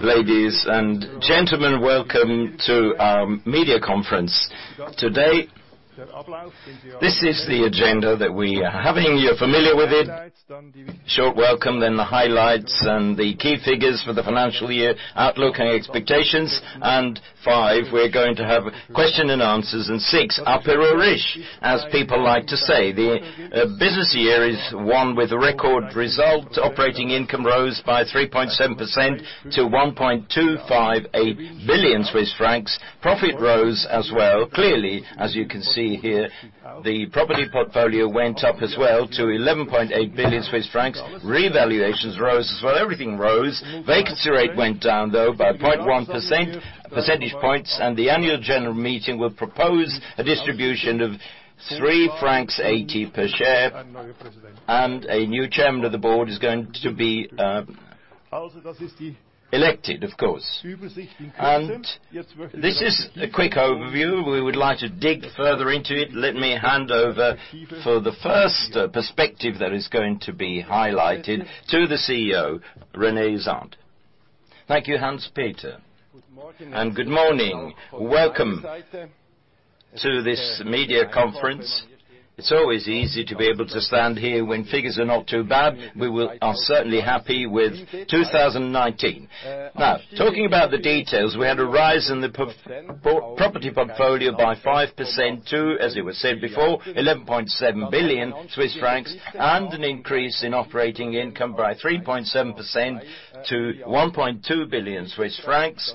Ladies and Gentlemen, welcome to our media conference. Today, this is the agenda that we are having. You're familiar with it. Short welcome, then the highlights and the key figures for the financial year, outlook and expectations. Five, we are going to have question-and-answers. Six, Apéro riche, as people like to say. The business year is one with a record result. Operating income rose by 3.7% to 1.258 billion Swiss francs. Profit rose as well. Clearly, as you can see here, the property portfolio went up as well to 11.8 billion Swiss francs. Revaluations rose as well. Everything rose. Vacancy rate went down though by 0.1 percentage points. The annual general meeting will propose a distribution of 3.80 francs per share. A new Chairman of the Board is going to be elected, of course. This is a quick overview. We would like to dig further into it. Let me hand over for the first perspective that is going to be highlighted to the CEO, René Zahnd. Thank you, Hans Peter. Good morning. Welcome to this media conference. It's always easy to be able to stand here when figures are not too bad. We are certainly happy with 2019. Talking about the details, we had a rise in the property portfolio by 5% to, as it was said before, 11.7 billion Swiss francs. An increase in operating income by 3.7% to 1.2 billion Swiss francs.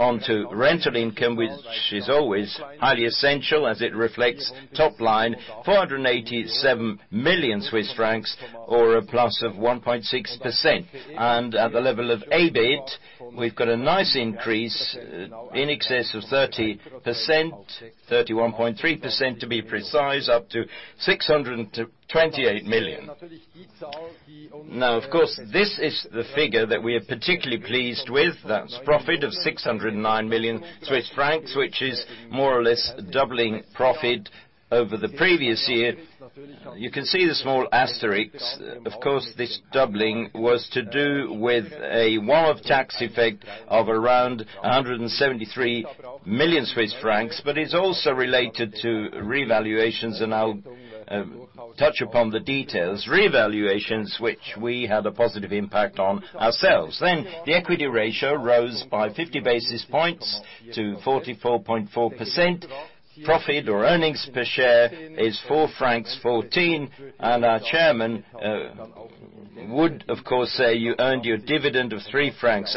On to rental income, which is always highly essential as it reflects top line 487 million Swiss francs or a plus of 1.6%. At the level of EBIT, we've got a nice increase in excess of 30%, 31.3% to be precise, up to 628 million. Now, of course, this is the figure that we are particularly pleased with. That's profit of 609 million Swiss francs, which is more or less doubling profit over the previous year. You can see the small asterisks. Of course, this doubling was to do with a STAF effect of around 173 million Swiss francs. It's also related to revaluations and I'll touch upon the details. Revaluations which we had a positive impact on ourselves. The equity ratio rose by 50 basis points to 44.4%. Profit or earnings per share is 4.14 francs. Our chairman would, of course, say you earned your dividend of 3.80 francs,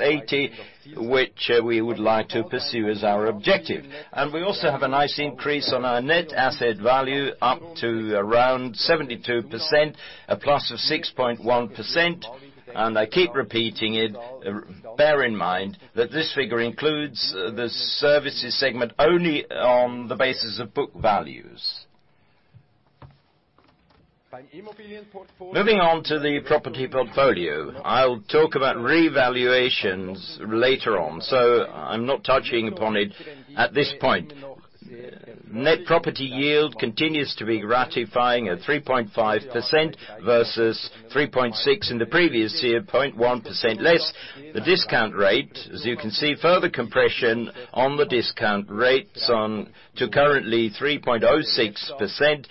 which we would like to pursue as our objective. We also have a nice increase on our net asset value up to around 72%, a plus of 6.1%. I keep repeating it, bear in mind that this figure includes the services segment only on the basis of book values. Moving on to the property portfolio. I'll talk about revaluations later on, so I'm not touching upon it at this point. Net property yield continues to be gratifying at 3.5% versus 3.6% in the previous year, 0.1% less. The discount rate, as you can see, further compression on the discount rates on to currently 3.06%.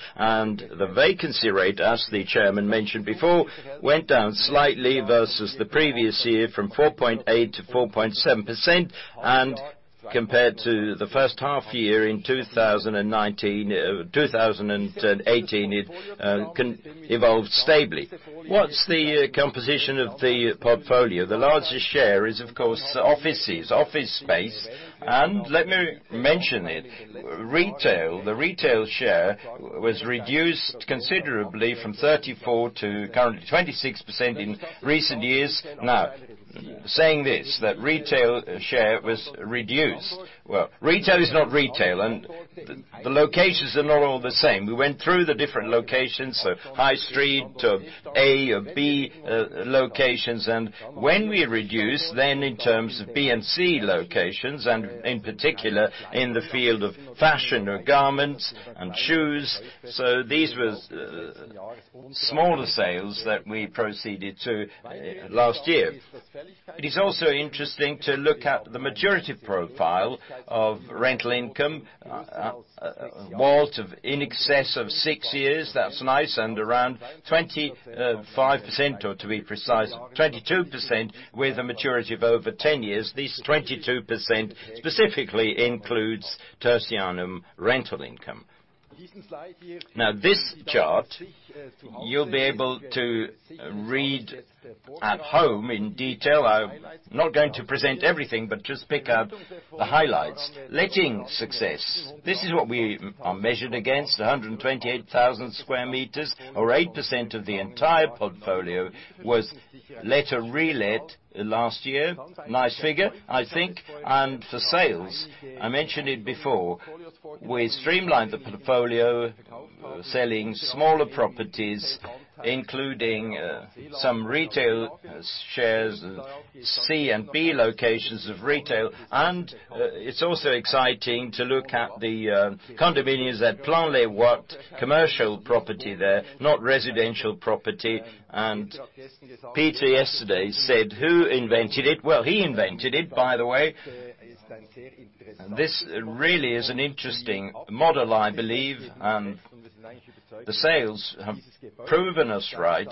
The vacancy rate, as the Chairman mentioned before, went down slightly versus the previous year from 4.8%-4.7%, compared to the first half year in 2018, it evolved stably. What's the composition of the portfolio? The largest share is, of course, offices, office space. Let me mention it, the retail share was reduced considerably from 34% to currently 26% in recent years. Saying this, that retail share was reduced. Well, retail is not retail and the locations are not all the same. We went through the different locations, high street to A or B locations. When we reduce in terms of B and C locations, in particular in the field of fashion or garments and shoes, these were smaller sales that we proceeded to last year. It is also interesting to look at the maturity profile of rental income. A malt of in excess of six years, that's nice, and around 25%, or to be precise, 22% with a maturity of over 10 years. This 22% specifically includes Tertianum rental income. This chart you'll be able to read at home in detail. I'm not going to present everything but just pick out the highlights. Letting success. This is what we are measured against, 128,000 sq m or 8% of the entire portfolio was let or re-let last year. Nice figure, I think. For sales, I mentioned it before, we streamlined the portfolio, selling smaller properties, including some retail shares, C and B locations of retail. It's also exciting to look at the condominiums at Plan-les-Ouates commercial property there, not residential property. Peter yesterday said, "Who invented it?" Well, he invented it, by the way. This really is an interesting model, I believe. The sales have proven us right.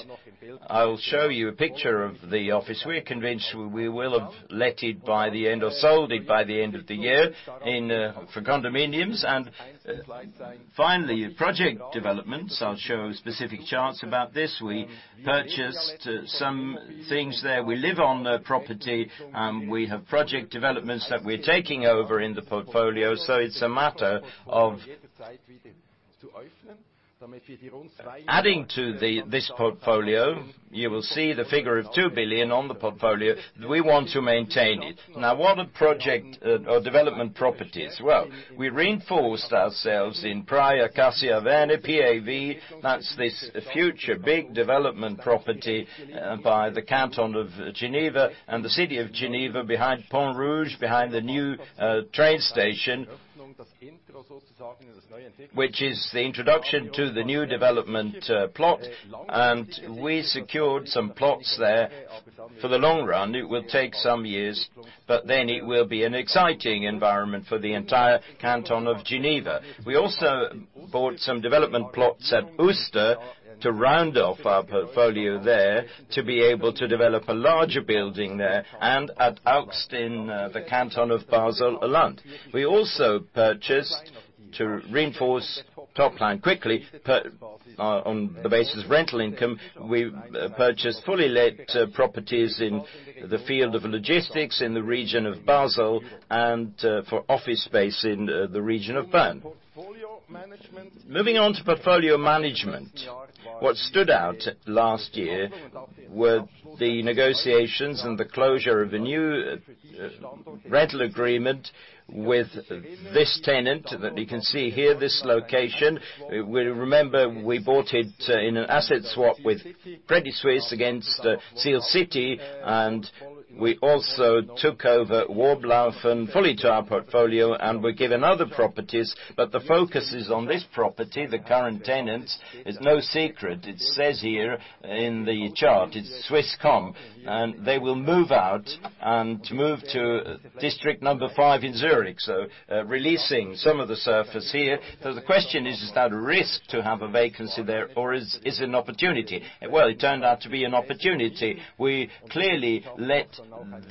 I will show you a picture of the office. We are convinced we will have let it by the end, or sold it by the end of the year, for condominiums. Finally, project developments. I'll show specific charts about this. We purchased some things there. We live on property. We have project developments that we're taking over in the portfolio. It's a matter of adding to this portfolio. You will see the figure of 2 billion on the portfolio. We want to maintain it. Now, what are project or development properties? Well, we reinforced ourselves in Praille Acacias Vernets, PAV. That's this future big development property by the canton of Geneva and the city of Geneva, behind Pont Rouge, behind the new train station. Which is the introduction to the new development plot. We secured some plots there for the long run. It will take some years. It will be an exciting environment for the entire canton of Geneva. We also bought some development plots at Uster to round off our portfolio there, to be able to develop a larger building there, and at Augst in the Canton of Basel-Land. We also purchased to reinforce top line quickly. On the basis of rental income, we purchased fully let properties in the field of logistics in the region of Basel and for office space in the region of Bern. Moving on to portfolio management. What stood out last year were the negotiations and the closure of a new rental agreement with this tenant that you can see here, this location. Remember, we bought it in an asset swap with Credit Suisse against Sihlcity, and we also took over Worblaufen fully to our portfolio, and were given other properties. The focus is on this property. The current tenant is no secret. It says here in the chart, it's Swisscom, and they will move out and move to District five in Zurich. Releasing some of the surface here. The question is that a risk to have a vacancy there, or is it an opportunity? Well, it turned out to be an opportunity. We clearly let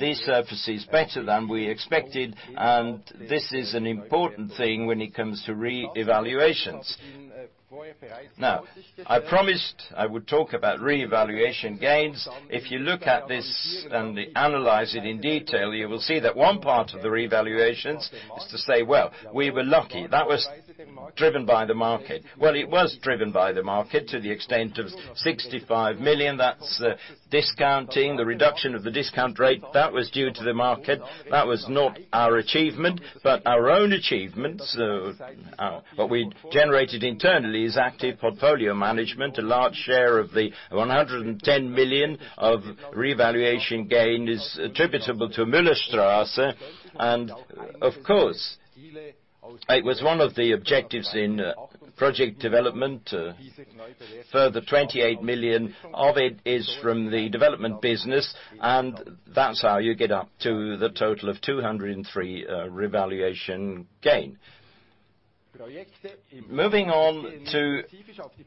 these surfaces better than we expected, and this is an important thing when it comes to re-evaluations. I promised I would talk about revaluation gains. If you look at this and analyze it in detail, you will see that one part of the revaluations is to say, well, we were lucky. That was driven by the market. Well, it was driven by the market to the extent of 65 million. That's discounting, the reduction of the discount rate. That was due to the market. That was not our achievement, but our own achievements, what we generated internally as active portfolio management, a large share of the 110 million of revaluation gain is attributable to Müllerstrasse. Of course, it was one of the objectives in project development. A further 28 million of it is from the development business, that's how you get up to the total of 203 revaluation gain. Moving on to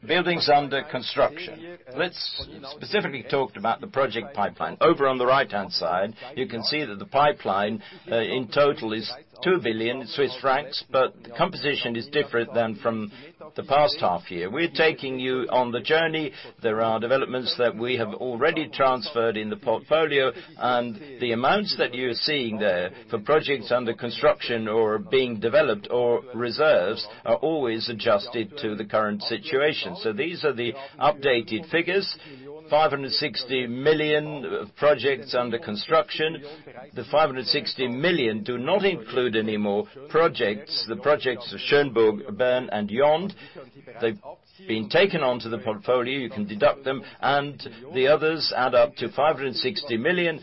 buildings under construction. Let's specifically talk about the project pipeline. Over on the right-hand side, you can see that the pipeline in total is 2 billion Swiss francs, but the composition is different than from the past half year. We're taking you on the journey. There are developments that we have already transferred in the portfolio, and the amounts that you're seeing there for projects under construction or being developed or reserves are always adjusted to the current situation. These are the updated figures, 560 million projects under construction. The 560 million do not include any more projects. The projects of Schönburg, Bern and Yond, they've been taken onto the portfolio. You can deduct them and the others add up to 560 million.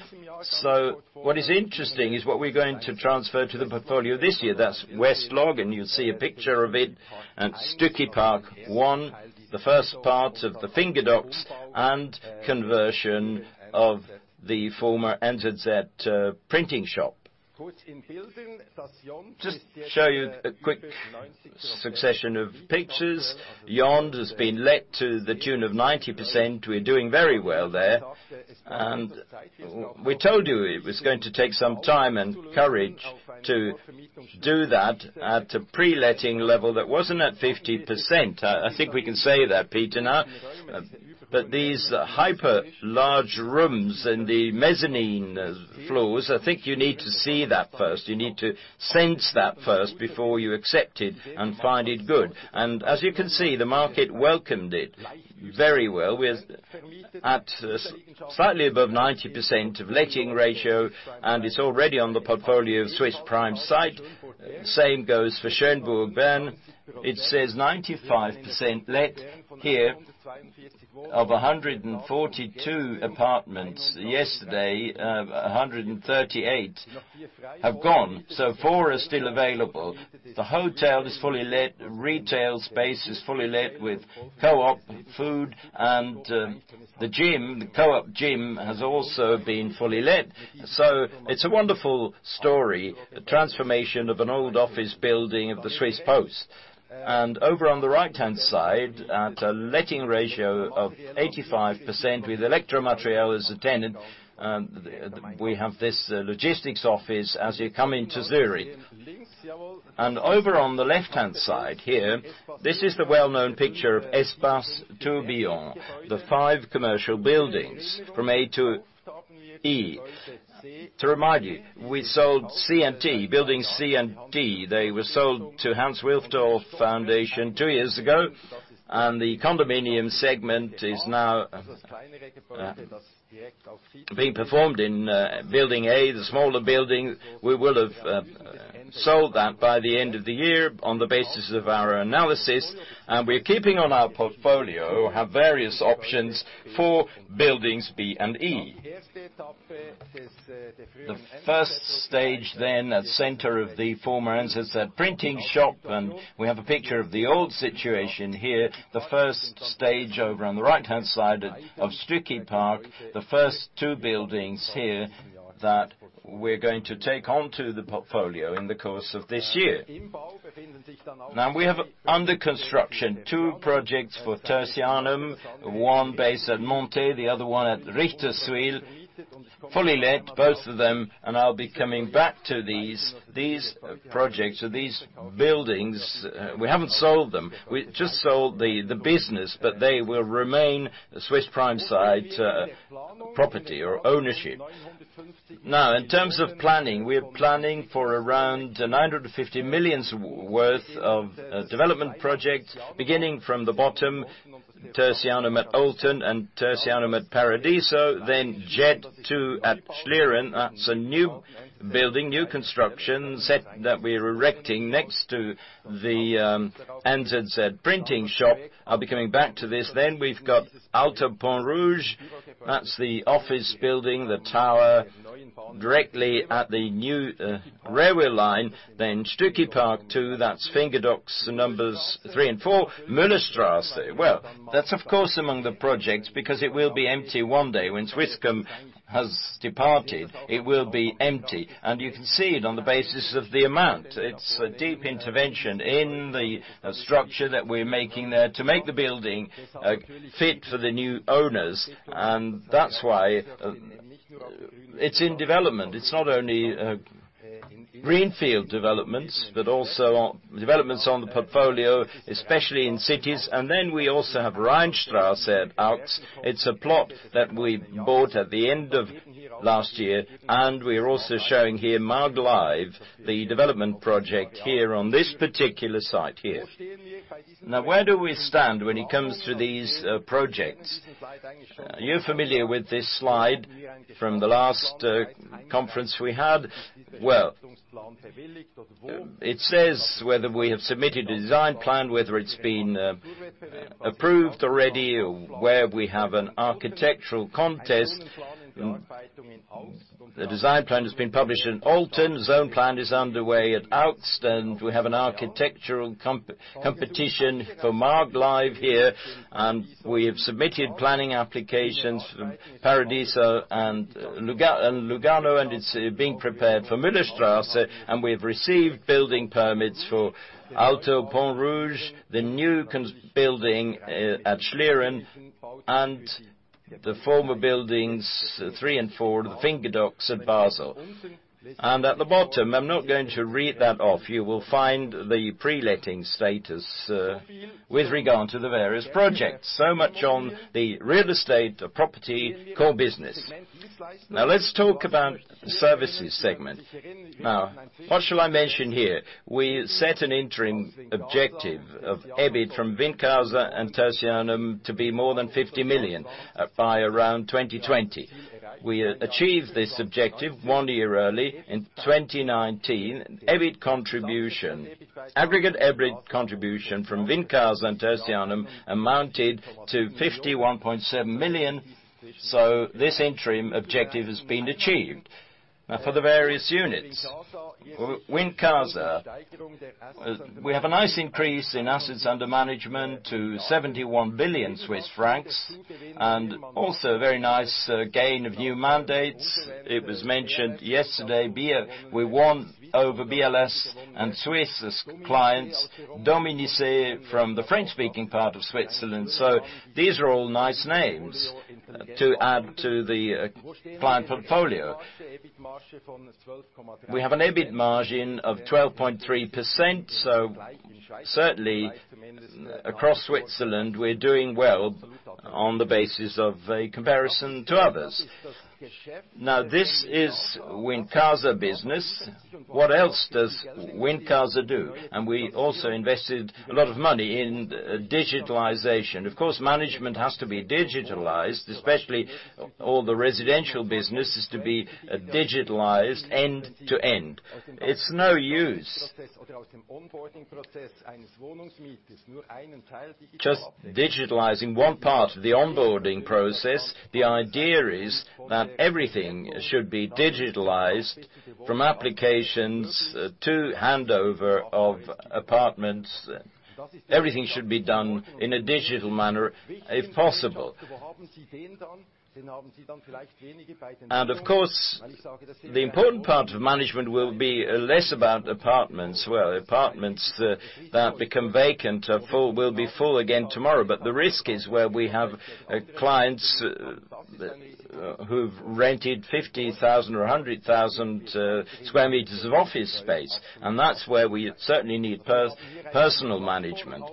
What is interesting is what we're going to transfer to the portfolio this year. That's West-Log, and you'll see a picture of it, and Stücki Park One, the first part of the Finger Docks, and conversion of the former NZZ printing shop. Just show you a quick succession of pictures. Yond has been let to the tune of 90%. We're doing very well there. We told you it was going to take some time and courage to do that at a pre-letting level that wasn't at 50%. I think we can say that, Peter, now. These hyper large rooms in the mezzanine floors, I think you need to see that first. You need to sense that first before you accept it and find it good. As you can see, the market welcomed it very well. We are at slightly above 90% of letting ratio. It's already on the portfolio of Swiss Prime Site. Same goes for Schönburg Bern. It says 95% let here of 142 apartments. Yesterday, 138 have gone, so four are still available. The hotel is fully let. Retail space is fully let with Coop food. The gym, the Coop gym, has also been fully let. It's a wonderful story, a transformation of an old office building of the Swiss Post. Over on the right-hand side, at a letting ratio of 85% with Elektro-Material as a tenant, we have this logistics office as you come into Zurich. Over on the left-hand side here, this is the well-known picture of Espace Tourbillon, the five commercial buildings from A-E. To remind you, we sold C and D, buildings C and D. They were sold to Hans Wilsdorf Foundation two years ago. The condominium segment is now being performed in building A, the smaller building. We will have sold that by the end of the year on the basis of our analysis. We are keeping on our portfolio, have various options for buildings B and E. The first stage then at center of the former Ansetz printing shop, and we have a picture of the old situation here. The first stage over on the right-hand side of Stücki Park, the first two buildings here that we're going to take onto the portfolio in the course of this year. We have under construction two projects for Tertianum, one based at Montet, the other one at Richterswil. Fully let, both of them, and I'll be coming back to these projects or these buildings. We haven't sold them. We just sold the business, but they will remain Swiss Prime Site property or ownership. In terms of planning, we are planning for around 950 million worth of development projects. Beginning from the bottom, Tertianum at Olten and Tertianum at Paradiso, JED 2 at Schlieren. That's a new building, new construction set that we're erecting next to the Ansetz printing shop. I'll be coming back to this. We've got Alto Pont-Rouge. That's the office building, the tower directly at the new railway line. Stücki Park 2, that's Finger Docks numbers three and four. Müllerstrasse. Well, that's of course among the projects because it will be empty one day. When Swisscom has departed, it will be empty. You can see it on the basis of the amount. It's a deep intervention in the structure that we're making there to make the building fit for the new owners, and that's why it's in development. It's not only greenfield developments, but also developments on the portfolio, especially in cities. We also have Rainstrasse at Au. It's a plot that we bought at the end of last year, and we're also showing here Maag Live, the development project here on this particular site here. Where do we stand when it comes to these projects? You're familiar with this slide from the last conference we had. It says whether we have submitted a design plan, whether it's been approved already, or where we have an architectural contest. The design plan has been published in Olten. Zone plan is underway at Au's, and we have an architectural competition for Maag Live here. We have submitted planning applications from Paradiso and Lugano, and it's being prepared for Müllerstrasse. We've received building permits for Alto Pont-Rouge, the new building at Schlieren, and the former buildings three and four, the Finger Docks at Basel. At the bottom, I'm not going to read that off, you will find the pre-letting status with regard to the various projects. Much on the real estate property core business. Let's talk about services segment. What shall I mention here? We set an interim objective of EBIT from Wincasa and Tertianum to be more than 50 million by around 2020. We achieved this objective one year early in 2019. Aggregate EBIT contribution from Wincasa and Tertianum amounted to 51.7 million. This interim objective has been achieved. For the various units. Wincasa. We have a nice increase in assets under management to 71 billion Swiss francs, and also a very nice gain of new mandates. It was mentioned yesterday we won over BLS and Swiss as clients, Dominicé from the French-speaking part of Switzerland. These are all nice names to add to the client portfolio. We have an EBIT margin of 12.3%, certainly across Switzerland, we're doing well on the basis of a comparison to others. Now, this is Wincasa business. What else does Wincasa do? We also invested a lot of money in digitalization. Of course, management has to be digitalized, especially all the residential business is to be digitalized end to end. It's no use just digitalizing one part of the onboarding process. The idea is that everything should be digitalized, from applications to handover of apartments. Everything should be done in a digital manner if possible. Of course, the important part of management will be less about apartments. Well, apartments that become vacant will be full again tomorrow. The risk is where we have clients who've rented 50,000 or 100,000 sq m of office space. That's where we certainly need personal management.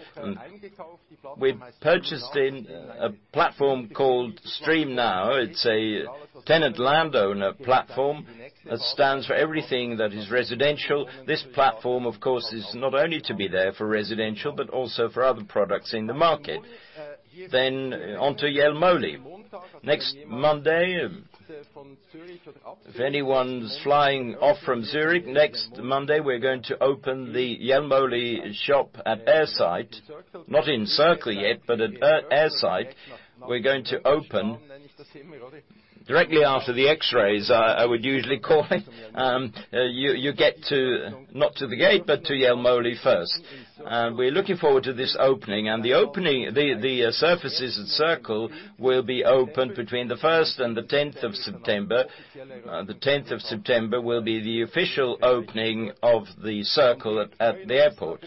We've purchased in a platform called StreamNow. It's a tenant-landowner platform that stands for everything that is residential. This platform, of course, is not only to be there for residential, but also for other products in the market. On to Jelmoli. Next Monday, if anyone's flying off from Zurich, next Monday, we're going to open the Jelmoli shop at Airside. Not in Circle yet, but at Airside. We're going to open directly after the X-rays, I would usually call it. You get not to the gate, but to Jelmoli first. We're looking forward to this opening. The opening, the surfaces at Circle will be open between the first and the 10th of September. The 10th of September will be the official opening of the Circle at the airport.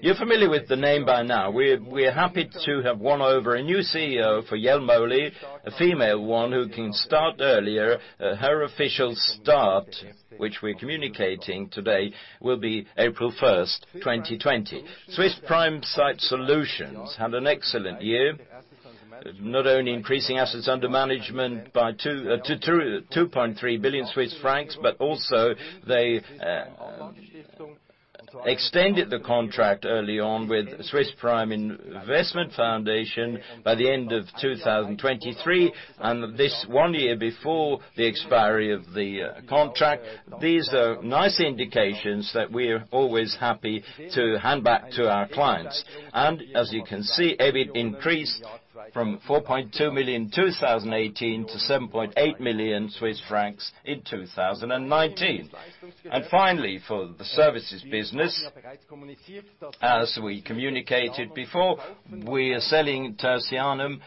You're familiar with the name by now. We are happy to have won over a new CEO for Jelmoli, a female one who can start earlier. Her official start, which we're communicating today, will be April 1st, 2020. Swiss Prime Site Solutions had an excellent year, not only increasing assets under management by 2.3 billion Swiss francs, but also they extended the contract early on with Swiss Prime Investment Foundation by the end of 2023. This one year before the expiry of the contract. These are nice indications that we're always happy to hand back to our clients. As you can see, EBIT increased from 4.2 million in 2018 to 7.8 million Swiss francs in 2019. Finally, for the services business, as we communicated before, we are selling Tertianum.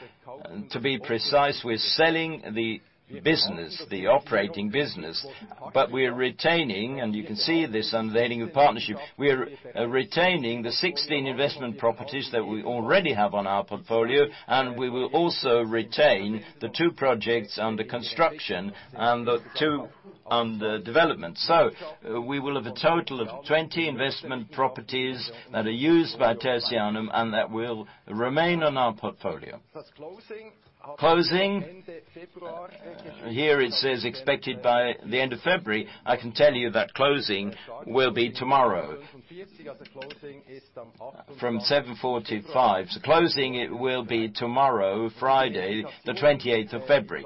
To be precise, we're selling the business, the operating business. We're retaining, and you can see this unveiling of partnership, we're retaining the 16 investment properties that we already have on our portfolio, and we will also retain the two projects under construction and the two under development. We will have a total of 20 investment properties that are used by Tertianum, and that will remain on our portfolio. Closing. Here it says expected by the end of February. I can tell you that closing will be tomorrow from 7:45 A.M. Closing will be tomorrow, Friday, the 28th of February.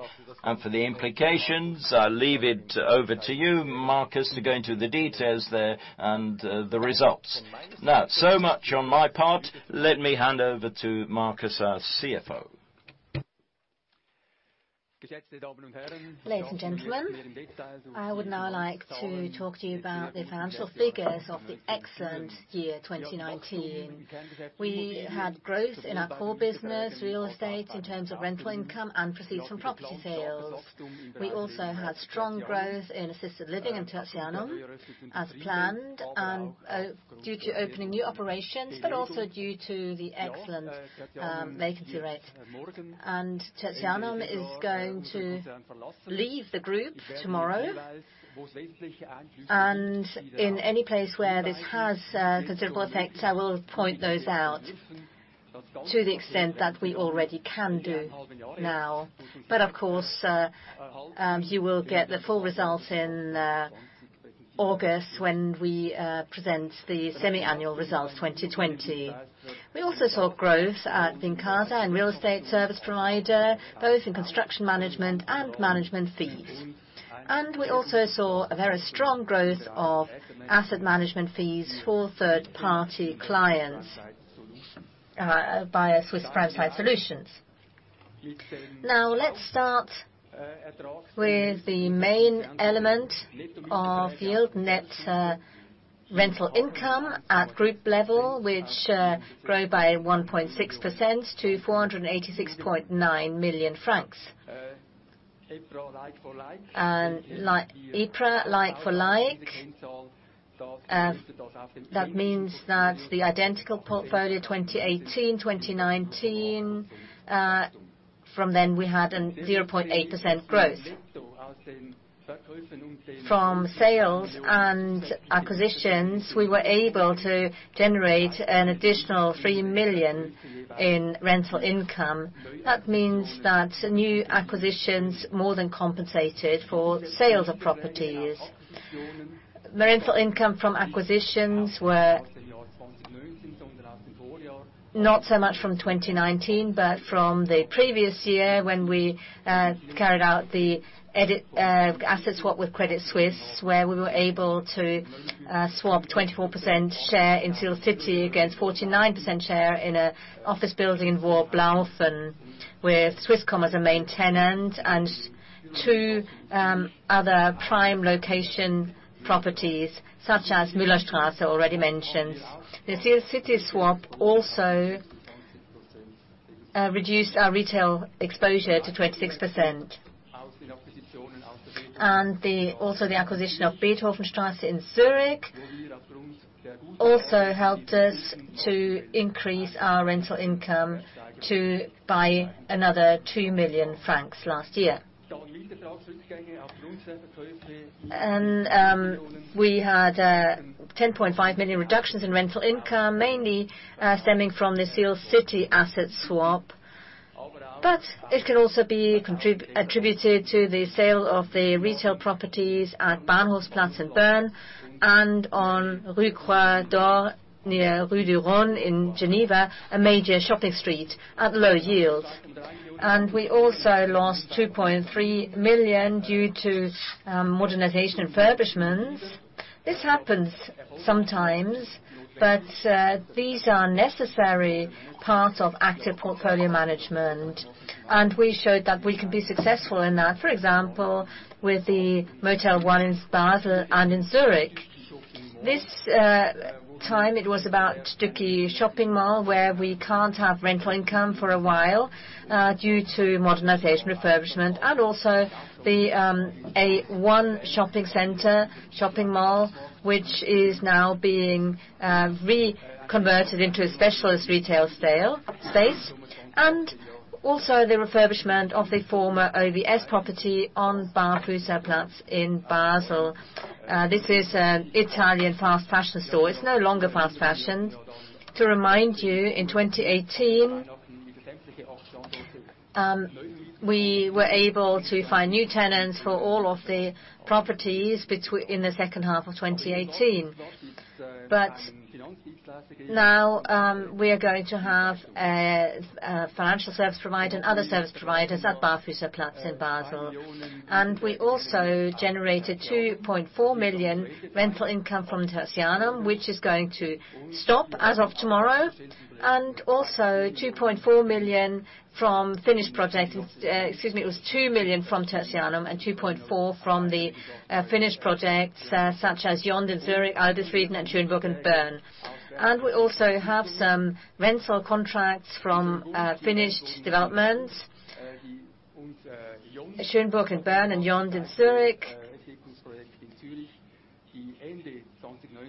For the implications, I'll leave it over to you, Markus, to go into the details there and the results. Now, so much on my part. Let me hand over to Markus, our CFO. Ladies and gentlemen, I would now like to talk to you about the financial figures of the excellent year 2019. We had growth in our core business, real estate, in terms of rental income and proceeds from property sales. We also had strong growth in assisted living in Tertianum, as planned, due to opening new operations, also due to the excellent vacancy rate. Tertianum is going to leave the group tomorrow. In any place where this has considerable effect, I will point those out to the extent that we already can do now. Of course, you will get the full results in August when we present the semi-annual results 2020. We also saw growth at Wincasa in real estate service provider, both in construction management and management fees. We also saw a very strong growth of asset management fees for third-party clients by Swiss Prime Site Solutions. Let's start with the main element of yield net rental income at group level, which grew by 1.6% to CHF 486.9 million. EPRA like-for-like. That means that the identical portfolio 2018, 2019, from then we had a 0.8% growth. Sales and acquisitions, we were able to generate an additional 3 million in rental income. New acquisitions more than compensated for sales of properties. The rental income from acquisitions were not so much from 2019, but from the previous year when we carried out the asset swap with Credit Suisse, where we were able to swap 24% share in Sihlcity against 49% share in an office building in Worblaufen with Swisscom as a main tenant and two other prime location properties, such as Müllerstraße, already mentioned. The Sihlcity swap also reduced our retail exposure to 26%. The acquisition of Beethovenstrasse in Zurich also helped us to increase our rental income by another 2 million francs last year. We had 10.5 million reductions in rental income, mainly stemming from the Sihlcity asset swap. It can also be attributed to the sale of the retail properties at Bahnhofsplatz in Bern and on Rue de la Croix-d'Or near Rue du Rhone in Geneva, a major shopping street at low yields. We also lost 2.3 million due to modernization refurbishments. This happens sometimes, these are necessary parts of active portfolio management, we showed that we can be successful in that. For example, with the Motel One in Basel and in Zurich. This time it was about Stücki shopping mall, where we can't have rental income for a while due to modernization refurbishment, also a1 shopping center, shopping mall, which is now being reconverted into a specialist retail space, also the refurbishment of the former OVS property on Barfüsserplatz in Basel. This is an Italian fast fashion store. It's no longer fast fashion. To remind you, in 2018, we were able to find new tenants for all of the properties in the second half of 2018. Now, we are going to have a financial service provider and other service providers at Barfüsserplatz in Basel. We also generated 2.4 million rental income from Tertianum, which is going to stop as of tomorrow. Excuse me, it was 2 million from Tertianum and 2.4 million from the finished projects, such as Yond in Zurich, Albisrieden, and Schönburg in Bern. We also have some rental contracts from finished developments, Schönburg in Bern and Yond in Zurich,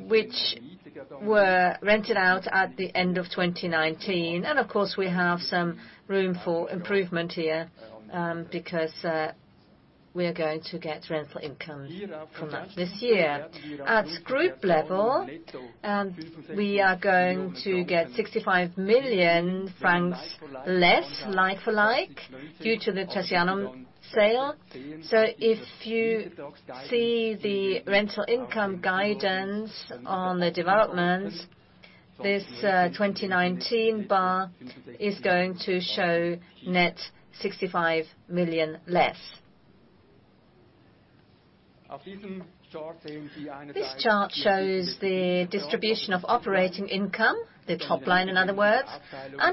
which were rented out at the end of 2019. Of course, we have some room for improvement here, because we are going to get rental income from that this year. At group level, we are going to get 65 million francs less like-for-like, due to the Tertianum sale. If you see the rental income guidance on the developments, this 2019 bar is going to show net 65 million less. This chart shows the distribution of operating income, the top line, in other words.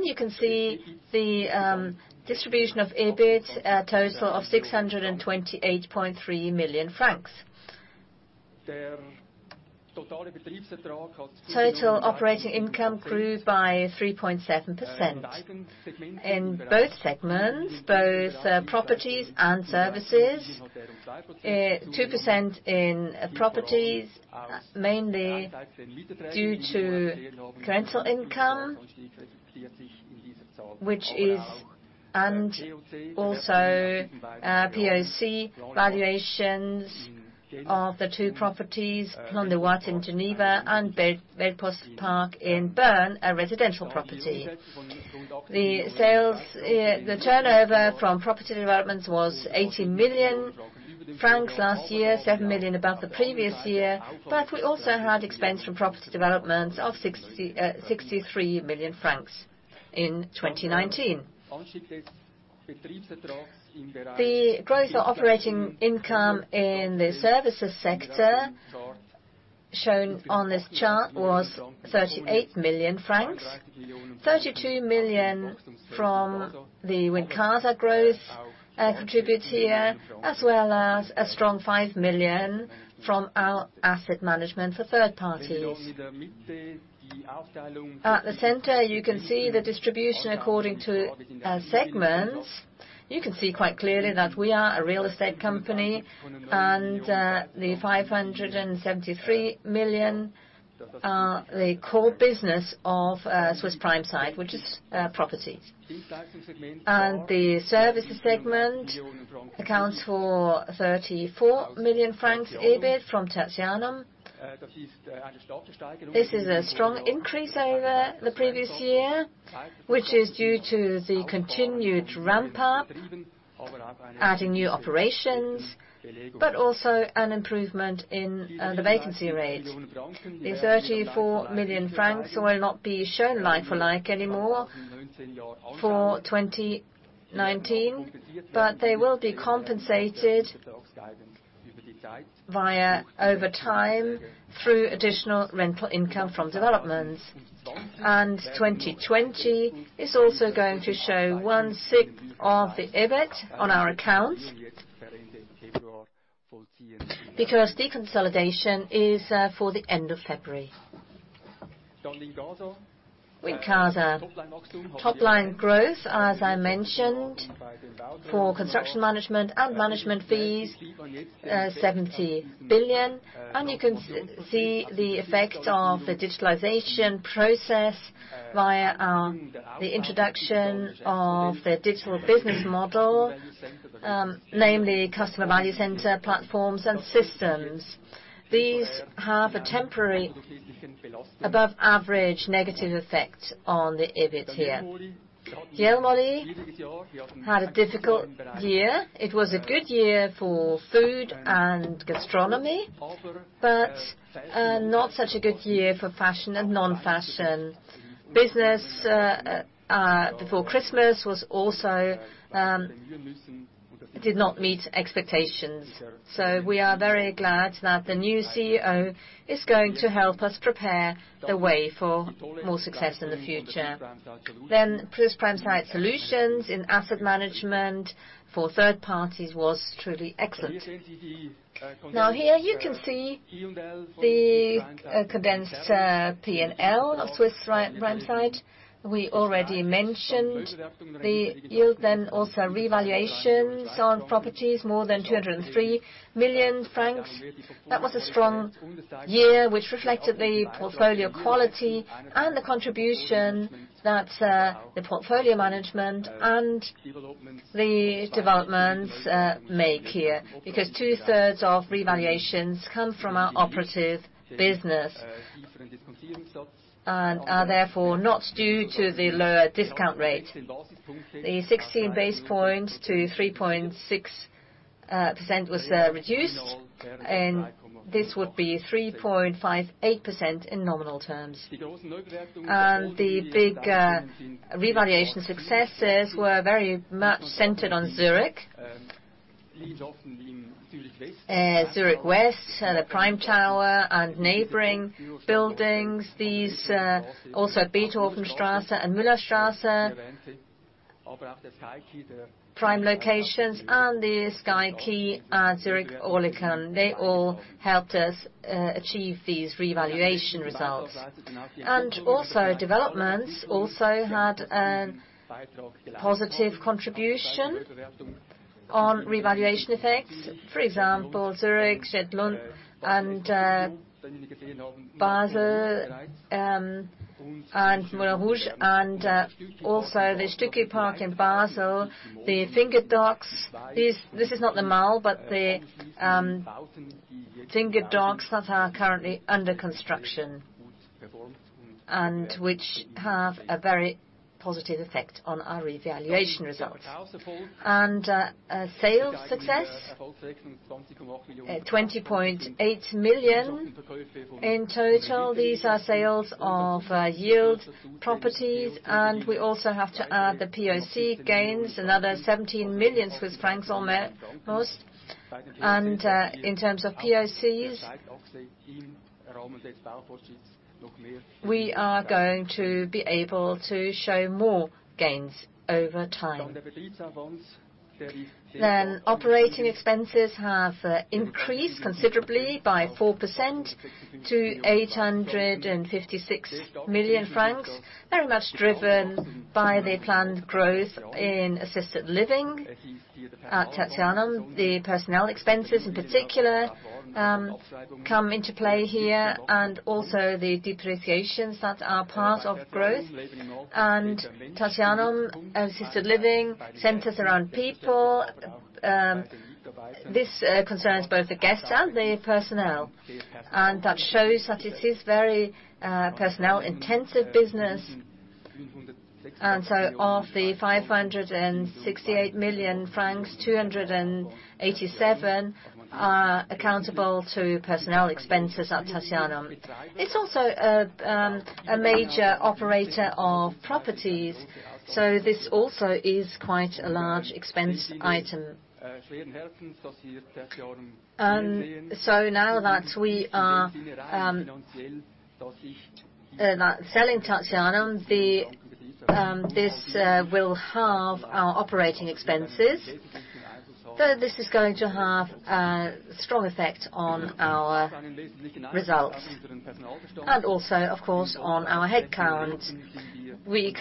You can see the distribution of EBIT, a total of 628.3 million francs. Total operating income grew by 3.7%. In both segments, both properties and services, 2% in properties, mainly due to rental income, and also POC valuations of the two properties, Rond-Point in Geneva and Belp Postpark in Bern, a residential property. The turnover from property developments was 80 million francs last year, 7 million above the previous year, but we also had expense from property developments of 63 million francs in 2019. The growth of operating income in the services sector shown on this chart was 38 million francs, 32 million from the Wincasa growth contribute here, as well as a strong 5 million from our asset management for third parties. At the center, you can see the distribution according to segments. You can see quite clearly that we are a real estate company, the 573 million are the core business of Swiss Prime Site, which is property. The services segment accounts for 34 million francs EBIT from Tertianum. This is a strong increase over the previous year, which is due to the continued ramp-up, adding new operations, but also an improvement in the vacancy rate. The 34 million francs will not be shown like-for-like anymore for 2019, but they will be compensated via over time through additional rental income from developments. 2020 is also going to show one sixth of the EBIT on our account, because deconsolidation is for the end of February. We've got a top line growth, as I mentioned, for construction management and management fees, 70 billion. You can see the effect of the digitalization process via the introduction of the digital business model, namely customer value center platforms and systems. These have a temporary above-average negative effect on the EBIT here. Jelmoli had a difficult year. It was a good year for food and gastronomy, but not such a good year for fashion and non-fashion. Business before Christmas did not meet expectations. We are very glad that the new CEO is going to help us prepare the way for more success in the future. Swiss Prime Site Solutions in asset management for third parties was truly excellent. Here you can see the condensed P&L of Swiss Prime Site. We already mentioned the yield, also revaluations on properties, more than 203 million francs. That was a strong year, which reflected the portfolio quality and the contribution that the portfolio management and the developments make here. Two-thirds of revaluations come from our operative business and are therefore not due to the lower discount rate. The 16 basis points to 3.6% was reduced, and this would be 3.58% in nominal terms. The big revaluation successes were very much centered on Zurich. Zurich West, the Prime Tower and neighboring buildings, these are also Beethovenstrasse and Müllerstrasse. Prime locations and the SkyKey at Zurich, Oerlikon. They all helped us achieve these revaluation results. Developments also had a positive contribution on revaluation effects. For example, Zurich, Schlieren, and Basel, and Mulhouse, and also the Stücki Park in Basel, the Finger Docks. This is not the mall, but the Finger Docks that are currently under construction, which have a very positive effect on our revaluation results. A sales success, 20.8 million in total. These are sales of yield properties, and we also have to add the POC gains, almost CHF 17 million. In terms of POCs, we are going to be able to show more gains over time. Operating expenses have increased considerably by 4% to 856 million francs, very much driven by the planned growth in assisted living at Tertianum. The personnel expenses, in particular, come into play here, and also the depreciations that are part of growth. Tertianum Assisted Living centers around people. This concerns both the guests and the personnel, and that shows that it is very personnel-intensive business. Of the 568 million francs, 287 million are accountable to personnel expenses at Tertianum. It's also a major operator of properties. This also is quite a large expense item. Now that we are selling Tertianum, this will halve our operating expenses. This is going to have a strong effect on our results and also, of course, on our headcount. We've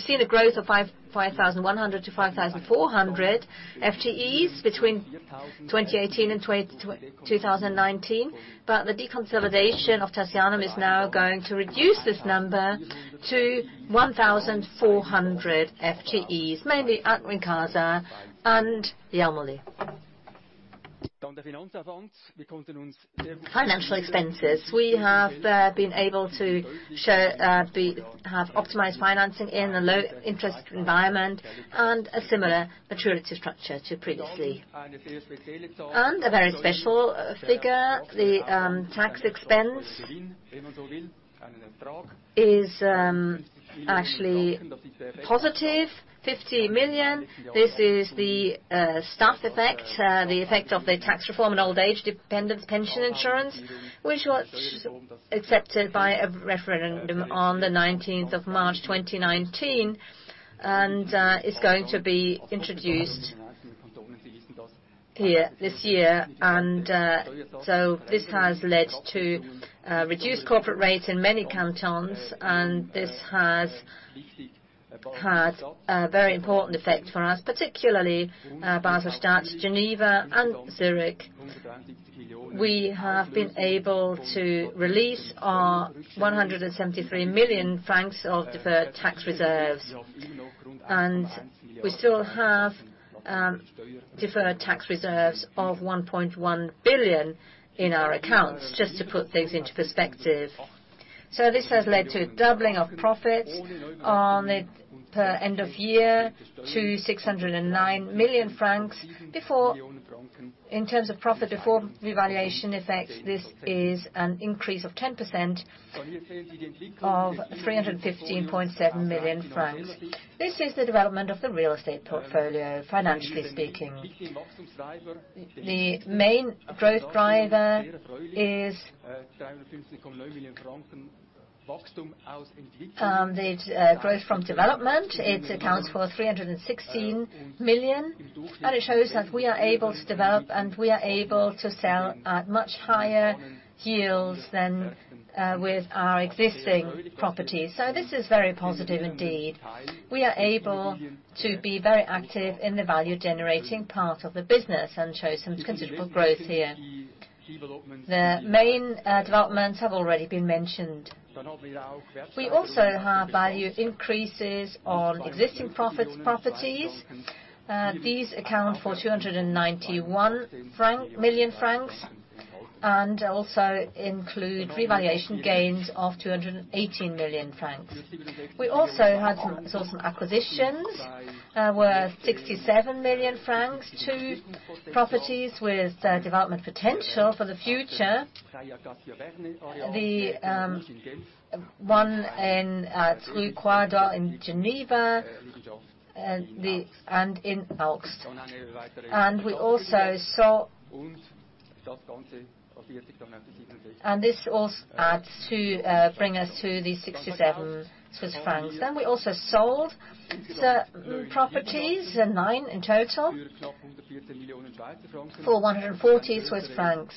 seen a growth of 5,100-5,400 FTEs between 2018 and 2019. The deconsolidation of Tertianum is now going to reduce this number to 1,400 FTEs, mainly at Wincasa and Jelmoli. Financial expenses, we have been able to have optimized financing in a low interest environment and a similar maturity structure to previously. A very special figure, the tax expense is actually positive, 50 million. This is the STAF effect, the effect of the tax reform and old age dependence pension insurance, which was accepted by a referendum on the 19th of March 2019 and is going to be introduced here this year. This has led to reduced corporate rates in many cantons, and this has had a very important effect for us, particularly Basel-Stadt, Geneva and Zurich. We have been able to release our 173 million francs of deferred tax reserves, and we still have deferred tax reserves of 1.1 billion in our accounts, just to put things into perspective. This has led to a doubling of profits on it per end of year to 609 million francs before. In terms of profit before revaluation effects, this is an increase of 10% of 315.7 million francs. This is the development of the real estate portfolio, financially speaking. The main growth driver is the growth from development. It accounts for 316 million, it shows that we are able to develop and we are able to sell at much higher yields than with our existing properties. This is very positive indeed. We are able to be very active in the value-generating part of the business and show some considerable growth here. The main developments have already been mentioned. We also have value increases on existing properties. These account for 291 million francs, also include revaluation gains of 218 million francs. We also saw some acquisitions, worth 67 million francs to properties with development potential for the future. The one in Rue Croiseau in Geneva and in Augst. This all adds to bring us to the 67 Swiss francs. We also sold certain properties, nine in total, for 140 Swiss francs.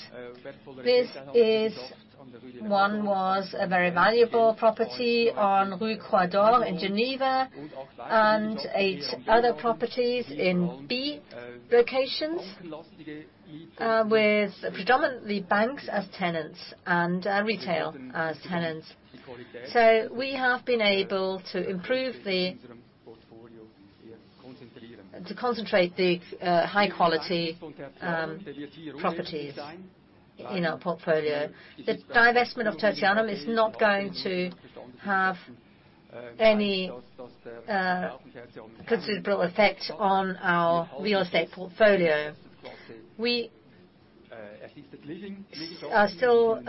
One was a very valuable property on Rue de la Croix-d'Or in Geneva and eight other properties in B locations, with predominantly banks as tenants and retail as tenants. We have been able to concentrate the high-quality properties in our portfolio. The divestment of Tertianum is not going to have any considerable effect on our real estate portfolio. We still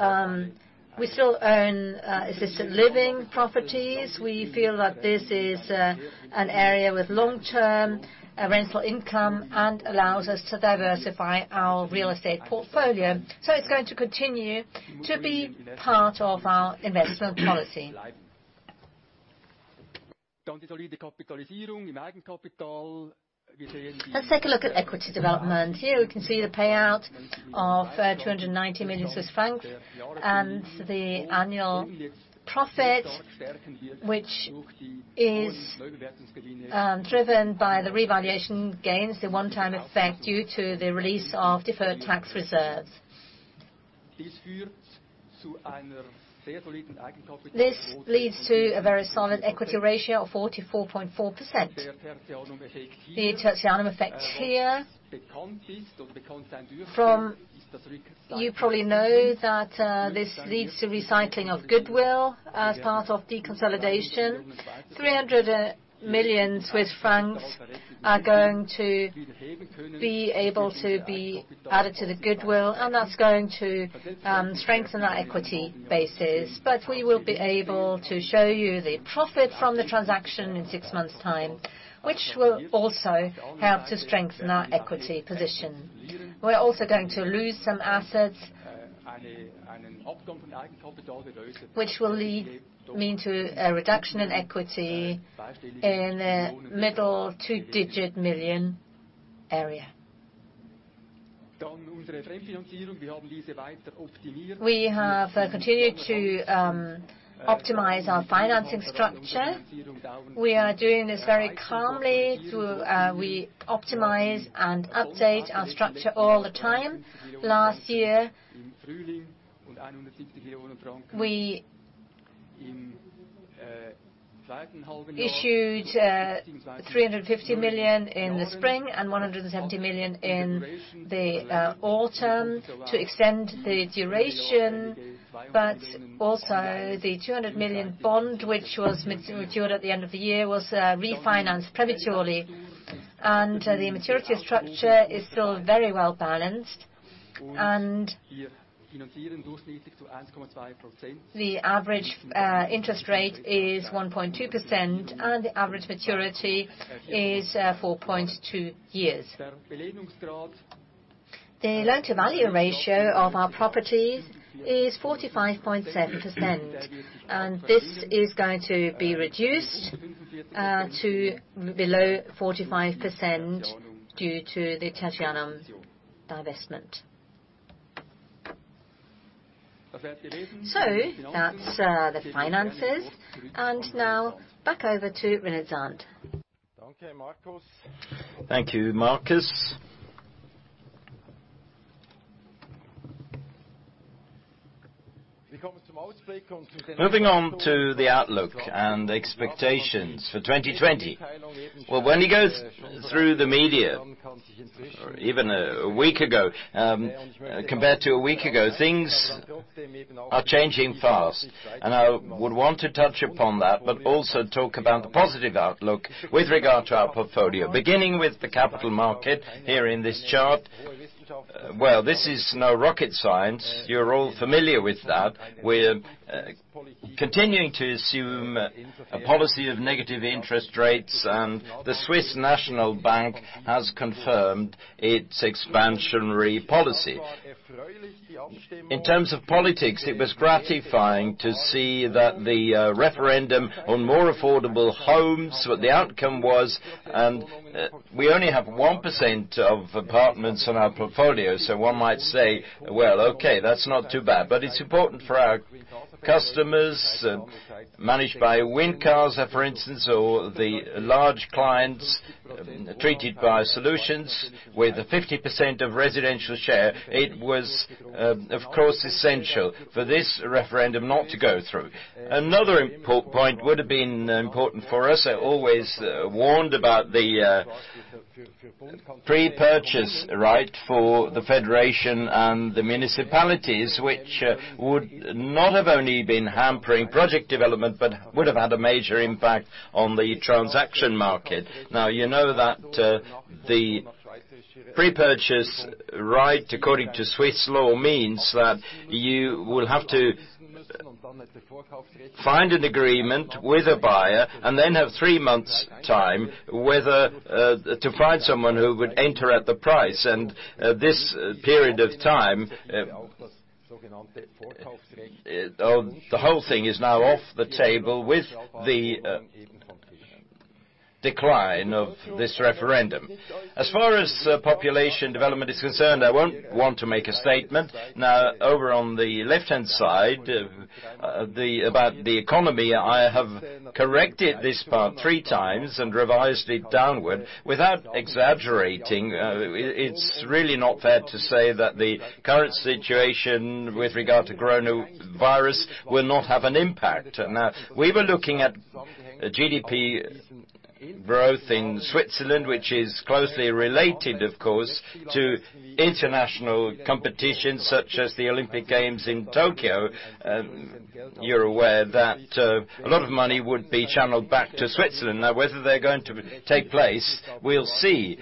own assisted living properties. We feel that this is an area with long-term rental income and allows us to diversify our real estate portfolio. It's going to continue to be part of our investment policy. Let's take a look at equity development. We can see the payout of 290 million Swiss francs and the annual profit, which is driven by the revaluation gains, the one-time effect due to the release of deferred tax reserves. This leads to a very solid equity ratio of 44.4%. The Tertianum effect here, you probably know that this leads to recycling of goodwill as part of deconsolidation. 300 million Swiss francs are going to be able to be added to the goodwill, that's going to strengthen our equity bases. We will be able to show you the profit from the transaction in six months' time, which will also help to strengthen our equity position. We're also going to lose some assets which will lead to a reduction in equity in a middle two-digit million area. We have continued to optimize our financing structure. We are doing this very calmly. We optimize and update our structure all the time. Last year, we issued 350 million in the spring and 170 million in the autumn to extend the duration, also the 200 million bond, which was matured at the end of the year, was refinanced prematurely. The maturity structure is still very well balanced, and the average interest rate is 1.2%, and the average maturity is 4.2 years. The loan-to-value ratio of our properties is 45.7%, and this is going to be reduced to below 45% due to the Tertianum divestment. That's the finances. Now back over to René Zahnd. Thank you, Markus. Moving on to the outlook and expectations for 2020. Well, when we go through the media, even a week ago, compared to a week ago, things are changing fast. I would want to touch upon that, but also talk about the positive outlook with regard to our portfolio, beginning with the capital market here in this chart. Well, this is no rocket science. You're all familiar with that. We're continuing to assume a policy of negative interest rates. The Swiss National Bank has confirmed its expansionary policy. In terms of politics, it was gratifying to see that the referendum on more affordable homes, what the outcome was, and we only have 1% of apartments on our portfolio, so one might say, "Well, okay, that's not too bad." It's important for our customers, managed by Wincasa, for instance, or the large clients treated by Swiss Prime Site Solutions with a 50% of residential share. It was, of course, essential for this referendum not to go through. Another point would have been important for us, I always warned about the pre-purchase right for the federation and the municipalities, which would not have only been hampering project development but would have had a major impact on the transaction market. You know that the pre-purchase right, according to Swiss law, means that you will have to find an agreement with a buyer and then have three months' time to find someone who would enter at the price. This period of time, the whole thing is now off the table with the decline of this referendum. As far as population development is concerned, I won't want to make a statement. Over on the left-hand side about the economy, I have corrected this part three times and revised it downward without exaggerating. It's really not fair to say that the current situation with regard to coronavirus will not have an impact. We were looking at GDP growth in Switzerland, which is closely related, of course, to international competitions such as the Olympic Games in Tokyo. You're aware that a lot of money would be channeled back to Switzerland. Now, whether they're going to take place, we'll see.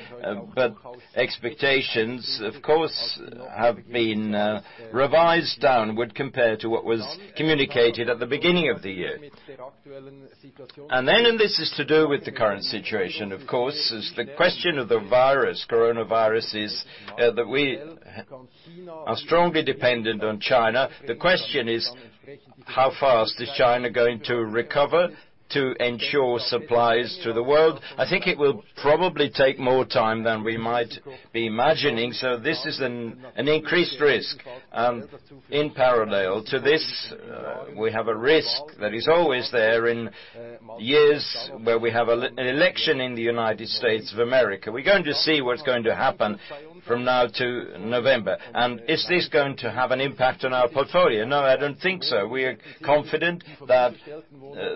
Expectations, of course, have been revised downward compared to what was communicated at the beginning of the year. This is to do with the current situation, of course, is the question of the coronavirus is that we are strongly dependent on China. The question is how fast is China going to recover to ensure supplies to the world? I think it will probably take more time than we might be imagining. This is an increased risk. In parallel to this, we have a risk that is always there in years where we have an election in the United States of America. We're going to see what's going to happen from now to November. Is this going to have an impact on our portfolio? No, I don't think so. We are confident that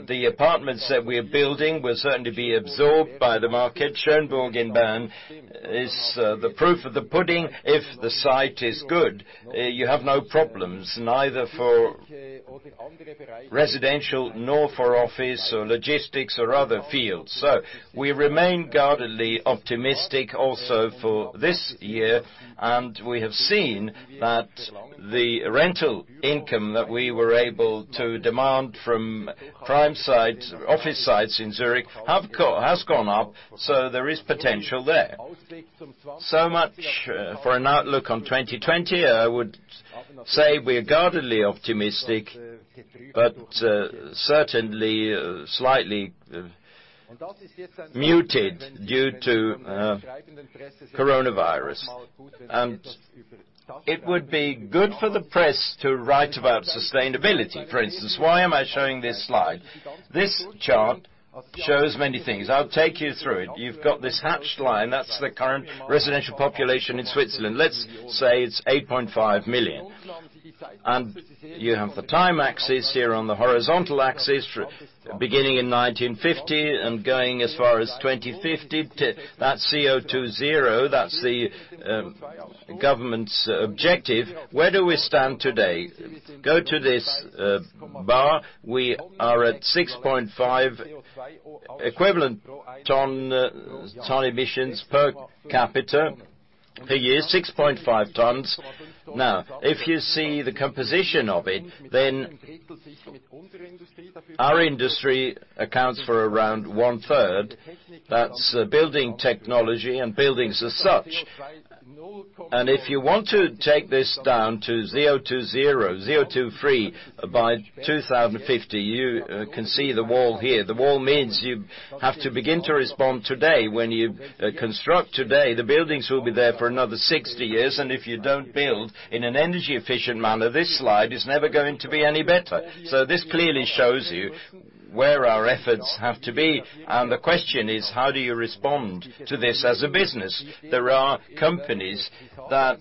the apartments that we're building will certainly be absorbed by the market. Schönbühl in Bern is the proof of the pudding. If the site is good, you have no problems, neither for residential nor for office or logistics or other fields. We remain guardedly optimistic also for this year, and we have seen that the rental income that we were able to demand from prime site office sites in Zurich has gone up, so there is potential there. Much for an outlook on 2020. I would say we're guardedly optimistic, but certainly slightly muted due to coronavirus. It would be good for the press to write about sustainability, for instance. Why am I showing this slide? This chart shows many things. I'll take you through it. You've got this hatched line. That's the current residential population in Switzerland. Let's say it's 8.5 million. You have the time axis here on the horizontal axis, beginning in 1950 and going as far as 2050. That's CO2 zero. That's the government's objective. Where do we stand today? Go to this bar. We are at 6.5 equivalent ton emissions per capita per year, 6.5 tons. If you see the composition of it, then our industry accounts for around one third. That's building technology and buildings as such. If you want to take this down to zero two three by 2050, you can see the wall here. The wall means you have to begin to respond today. When you construct today, the buildings will be there for another 60 years. If you don't build in an energy-efficient manner, this slide is never going to be any better. This clearly shows you where our efforts have to be. The question is, how do you respond to this as a business? There are companies that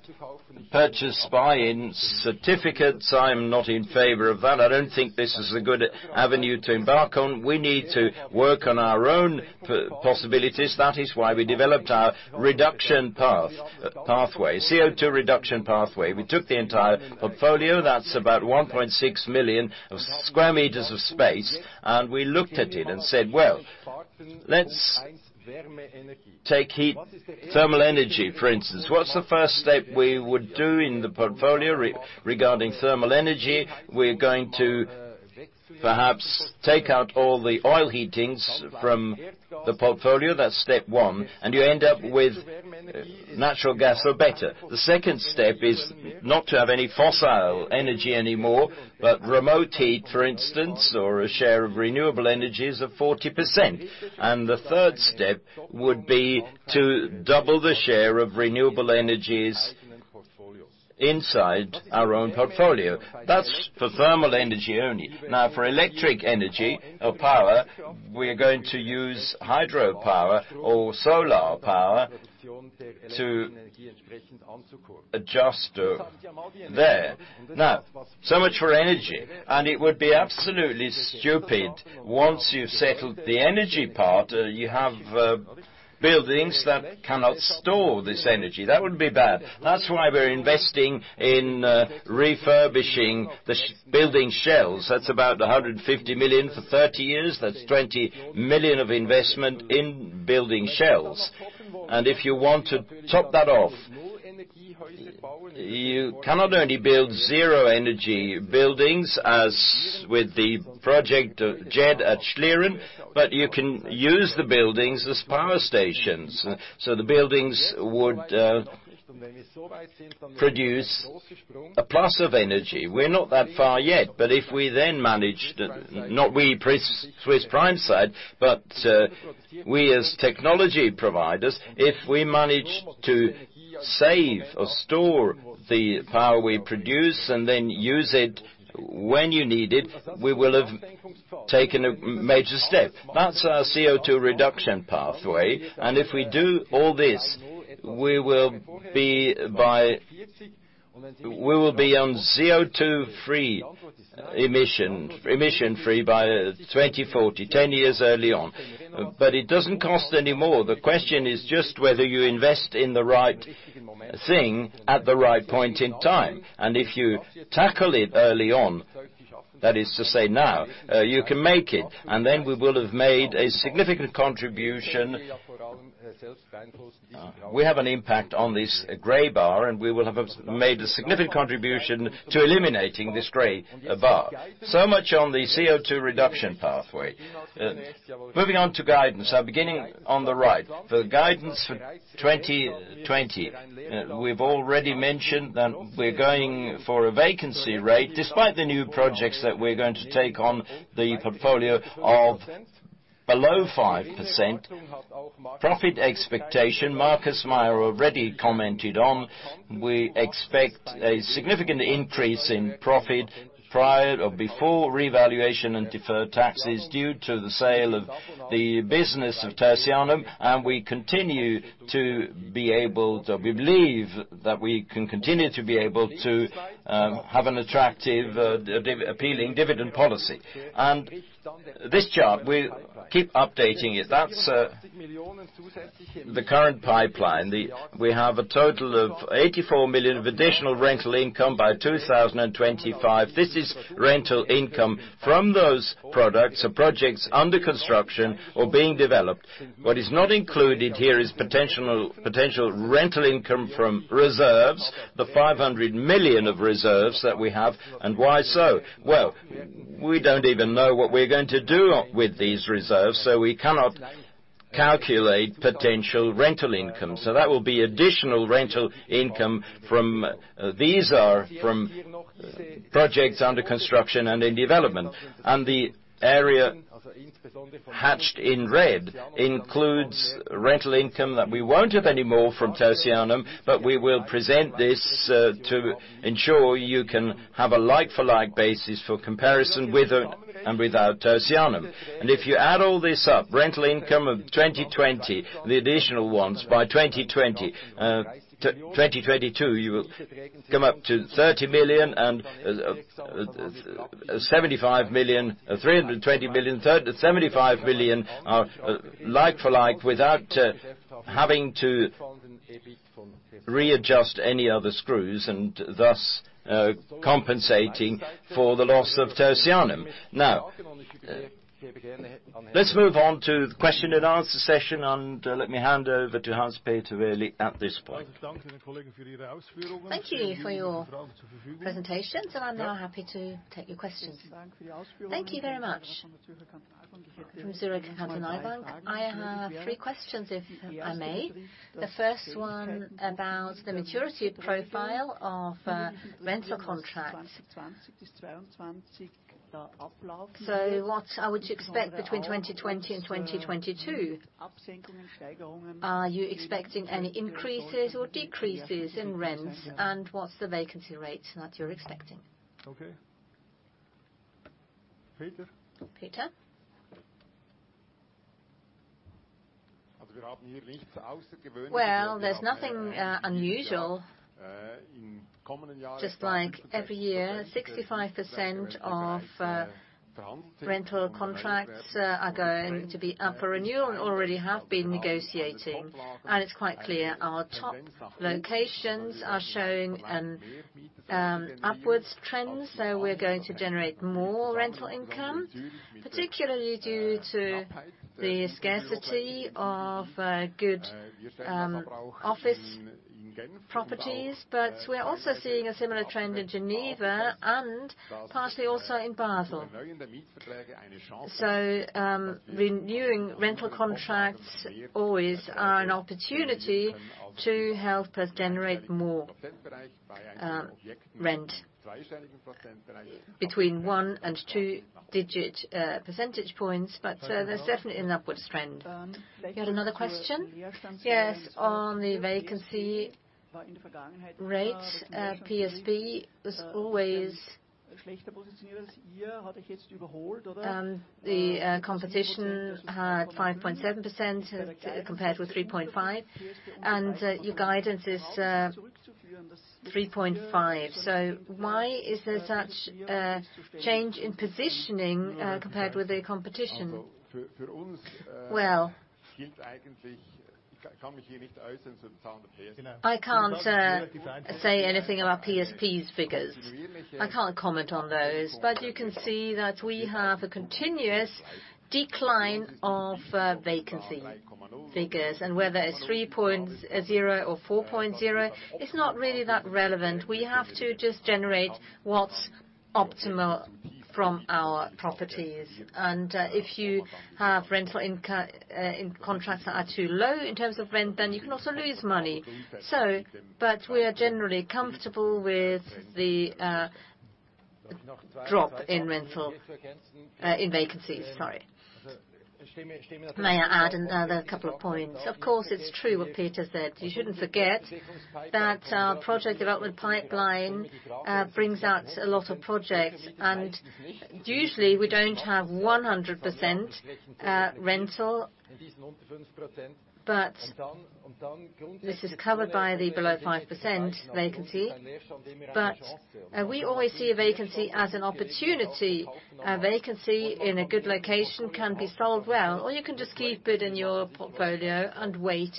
purchase buy-in certificates. I'm not in favor of that. I don't think this is a good avenue to embark on. We need to work on our own possibilities. That is why we developed our reduction pathway, CO2 reduction pathway. We took the entire portfolio. That's about 1.6 million square meters of space. We looked at it and said, "Let's take heat, thermal energy, for instance. What's the first step we would do in the portfolio regarding thermal energy? We're going to perhaps take out all the oil heatings from the portfolio. That's step 1. You end up with natural gas for better. The second step is not to have any fossil energy anymore, but remote heat, for instance, or a share of renewable energies of 40%. The third step would be to double the share of renewable energies inside our own portfolio. That's for thermal energy only. For electric energy or power, we're going to use hydropower or solar power to adjust there. So much for energy. It would be absolutely stupid once you've settled the energy part, you have buildings that cannot store this energy. That would be bad. That's why we're investing in refurbishing the building shells. That's about 150 million for 30 years. That's 20 million of investment in building shells. If you want to top that off, you cannot only build zero energy buildings as with the project of JED at Schlieren, but you can use the buildings as power stations. The buildings would produce a plus of energy. We're not that far yet, but if we then managed, not we Swiss Prime Site, but we as technology providers, if we manage to save or store the power we produce and then use it when you need it, we will have taken a major step. That's our CO2 reduction pathway. If we do all this, we will be on CO2 emission free by 2040, 10 years early on. It doesn't cost any more. The question is just whether you invest in the right thing at the right point in time. If you tackle it early on, that is to say now, you can make it. We will have made a significant contribution. We have an impact on this gray bar. We will have made a significant contribution to eliminating this gray bar. Much on the CO2 reduction pathway. Moving on to guidance. Beginning on the right, the guidance for 2020. We've already mentioned that we're going for a vacancy rate, despite the new projects that we're going to take on the portfolio of below 5%. Profit expectation, Markus Meier already commented on. We expect a significant increase in profit prior or before revaluation and deferred taxes due to the sale of the business of Tertianum. We believe that we can continue to be able to have an attractive, appealing dividend policy. This chart, we keep updating it. That's the current pipeline. We have a total of 84 million of additional rental income by 2025. This is rental income from those products or projects under construction or being developed. What is not included here is potential rental income from reserves, the 500 million of reserves that we have. Why so? Well, we don't even know what we're going to do with these reserves, so we cannot calculate potential rental income. That will be additional rental income. These are from projects under construction and in development. The area hatched in red includes rental income that we won't have anymore from Tertianum, but we will present this to ensure you can have a like-for-like basis for comparison with and without Tertianum. If you add all this up, rental income of 2020, the additional ones by 2022, you will come up to 30 million and 75 million. 320 million, 75 million are like-for-like without having to readjust any other screws and thus, compensating for the loss of Tertianum. Let's move on to the question-and-answer session, and let me hand over to Hans Peter at this point. Thank you for your presentation, and I'm now happy to take your questions. Thank you very much. From Zürcher Kantonalbank. I have three questions, if I may. The first one about the maturity profile of rental contracts. What I would expect between 2020 and 2022, are you expecting any increases or decreases in rents? What's the vacancy rate that you're expecting? Okay. Peter? There's nothing unusual. Just like every year, 65% of rental contracts are going to be up for renewal and already have been negotiated. It's quite clear, our top locations are showing an upwards trend. We're going to generate more rental income, particularly due to the scarcity of good office properties. We are also seeing a similar trend in Geneva and partly also in Basel. Renewing rental contracts always are an opportunity to help us generate more rent. Between one- and two-digit percentage points, but there's definitely an upwards trend. You had another question? Yes. On the vacancy rates, PSP. The competition had 5.7% compared with 3.5%, and your guidance is 3.5%. Why is there such a change in positioning compared with the competition? Well, I can't say anything about PSP's figures. I can't comment on those. You can see that we have a continuous decline of vacancy figures, and whether it's 3.0% or 4.0%, it's not really that relevant. We have to just generate what's optimal from our properties. If you have rental contracts that are too low in terms of rent, you can also lose money. We are generally comfortable with the drop in vacancies. Sorry. May I add another couple of points? Of course, it's true what Peter said. You shouldn't forget that our project development pipeline brings out a lot of projects, and usually, we don't have 100% rental. This is covered by the below 5% vacancy. We always see a vacancy as an opportunity. A vacancy in a good location can be sold well, or you can just keep it in your portfolio and wait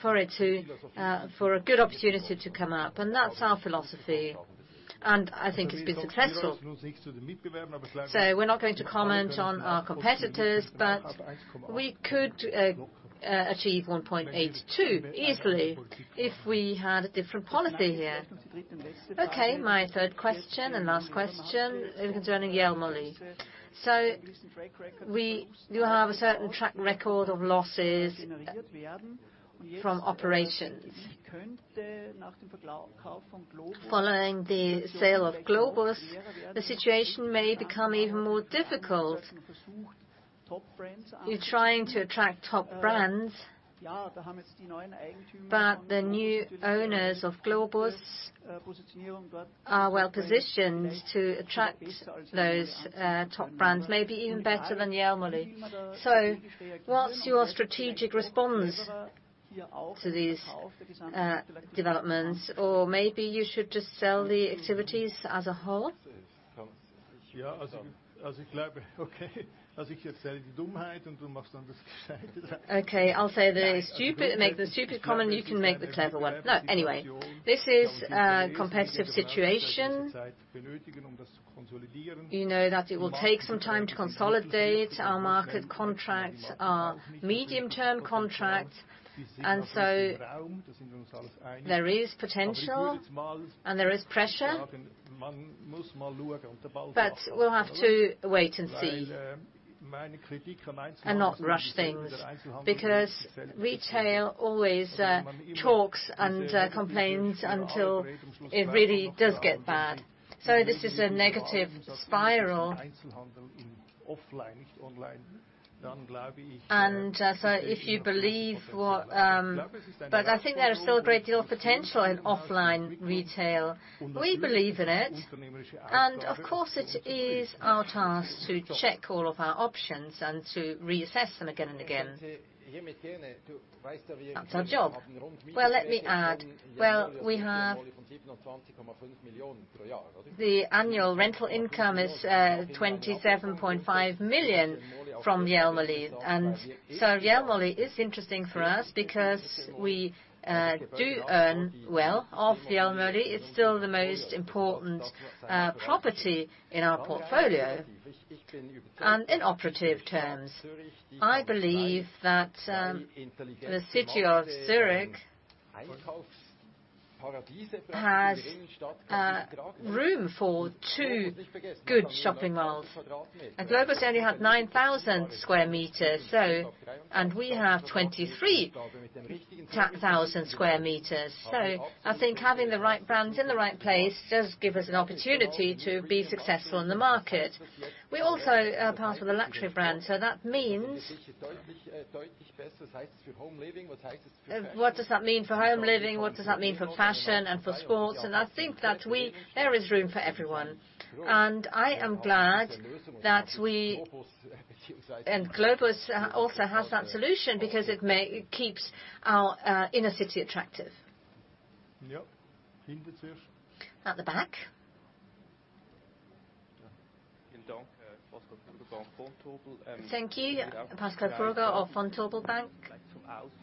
for a good opportunity to come up. That's our philosophy, and I think it's been successful. We're not going to comment on our competitors, we could achieve 1.82 easily if we had a different policy here. Okay. My third question and last question is concerning Jelmoli. You have a certain track record of losses from operations. Following the sale of Globus, the situation may become even more difficult. You're trying to attract top brands, but the new owners of Globus are well-positioned to attract those top brands, maybe even better than Jelmoli. What's your strategic response to these developments? Maybe you should just sell the activities as a whole. Okay, I'll make the stupid comment, and you can make the clever one. No. This is a competitive situation. You know that it will take some time to consolidate. Our market contracts are medium-term contracts, there is potential and there is pressure. We'll have to wait and see. Not rush things, because retail always talks and complains until it really does get bad. This is a negative spiral. If you believe, I think there is still a great deal of potential in offline retail. We believe in it, of course, it is our task to check all of our options and to reassess them again and again. That's our job. Well, let me add. Well, the annual rental income is 27.5 million from Jelmoli. Jelmoli is interesting for us because we do earn well off Jelmoli. It's still the most important property in our portfolio. In operative terms, I believe that the city of Zurich has room for two good shopping malls. Globus only had 9,000 square meters, and we have 23,000 square meters. I think having the right brands in the right place does give us an opportunity to be successful in the market. We also are part of the luxury brand, so that means What does that mean for home living? What does that mean for fashion and for sports? I think that there is room for everyone. I am glad that we, and Globus, also has that solution because it keeps our inner city attractive. At the back. Thank you. Pascal Froger of Vontobel Bank.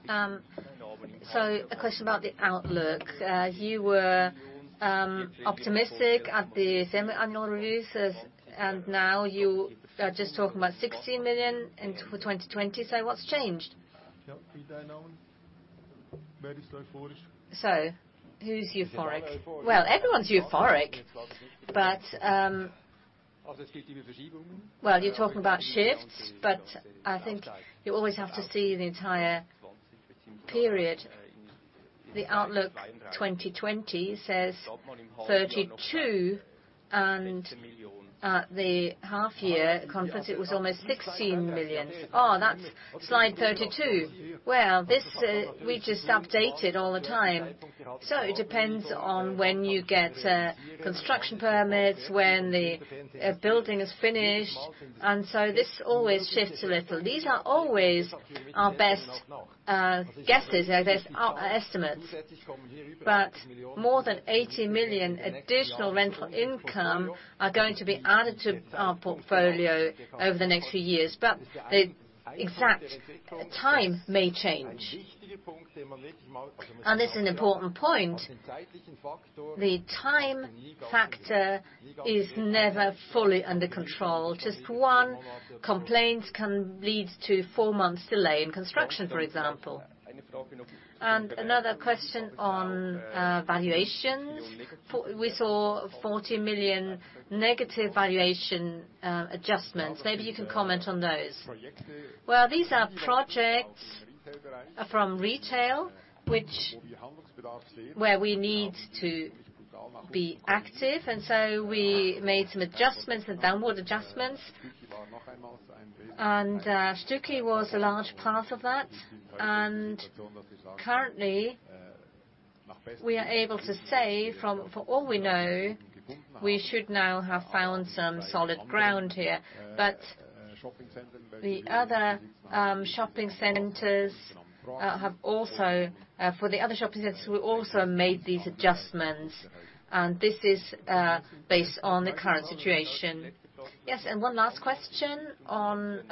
A question about the outlook. You were optimistic at the semi-annual reviews, now you are just talking about 16 million for 2020. What's changed? Who's euphoric? Everyone's euphoric, but you're talking about shifts, but I think you always have to see the entire period. The outlook 2020 says 32, at the half-year conference, it was almost 16 million. Oh, that's slide 32. We just update it all the time. It depends on when you get construction permits, when the building is finished. This always shifts a little. These are always our best guesses, our best estimates. More than 80 million additional rental income are going to be added to our portfolio over the next few years. The exact time may change. This is an important point. The time factor is never fully under control. Just one complaint can lead to 4 months delay in construction, for example. Another question on valuations. We saw 40 million negative valuation adjustments. Maybe you can comment on those. These are projects from retail, where we need to be active. We made some adjustments and downward adjustments. Stücki was a large part of that. Currently, we are able to say, from all we know, we should now have found some solid ground here. For the other shopping centers, we also made these adjustments, and this is based on the current situation. One last question on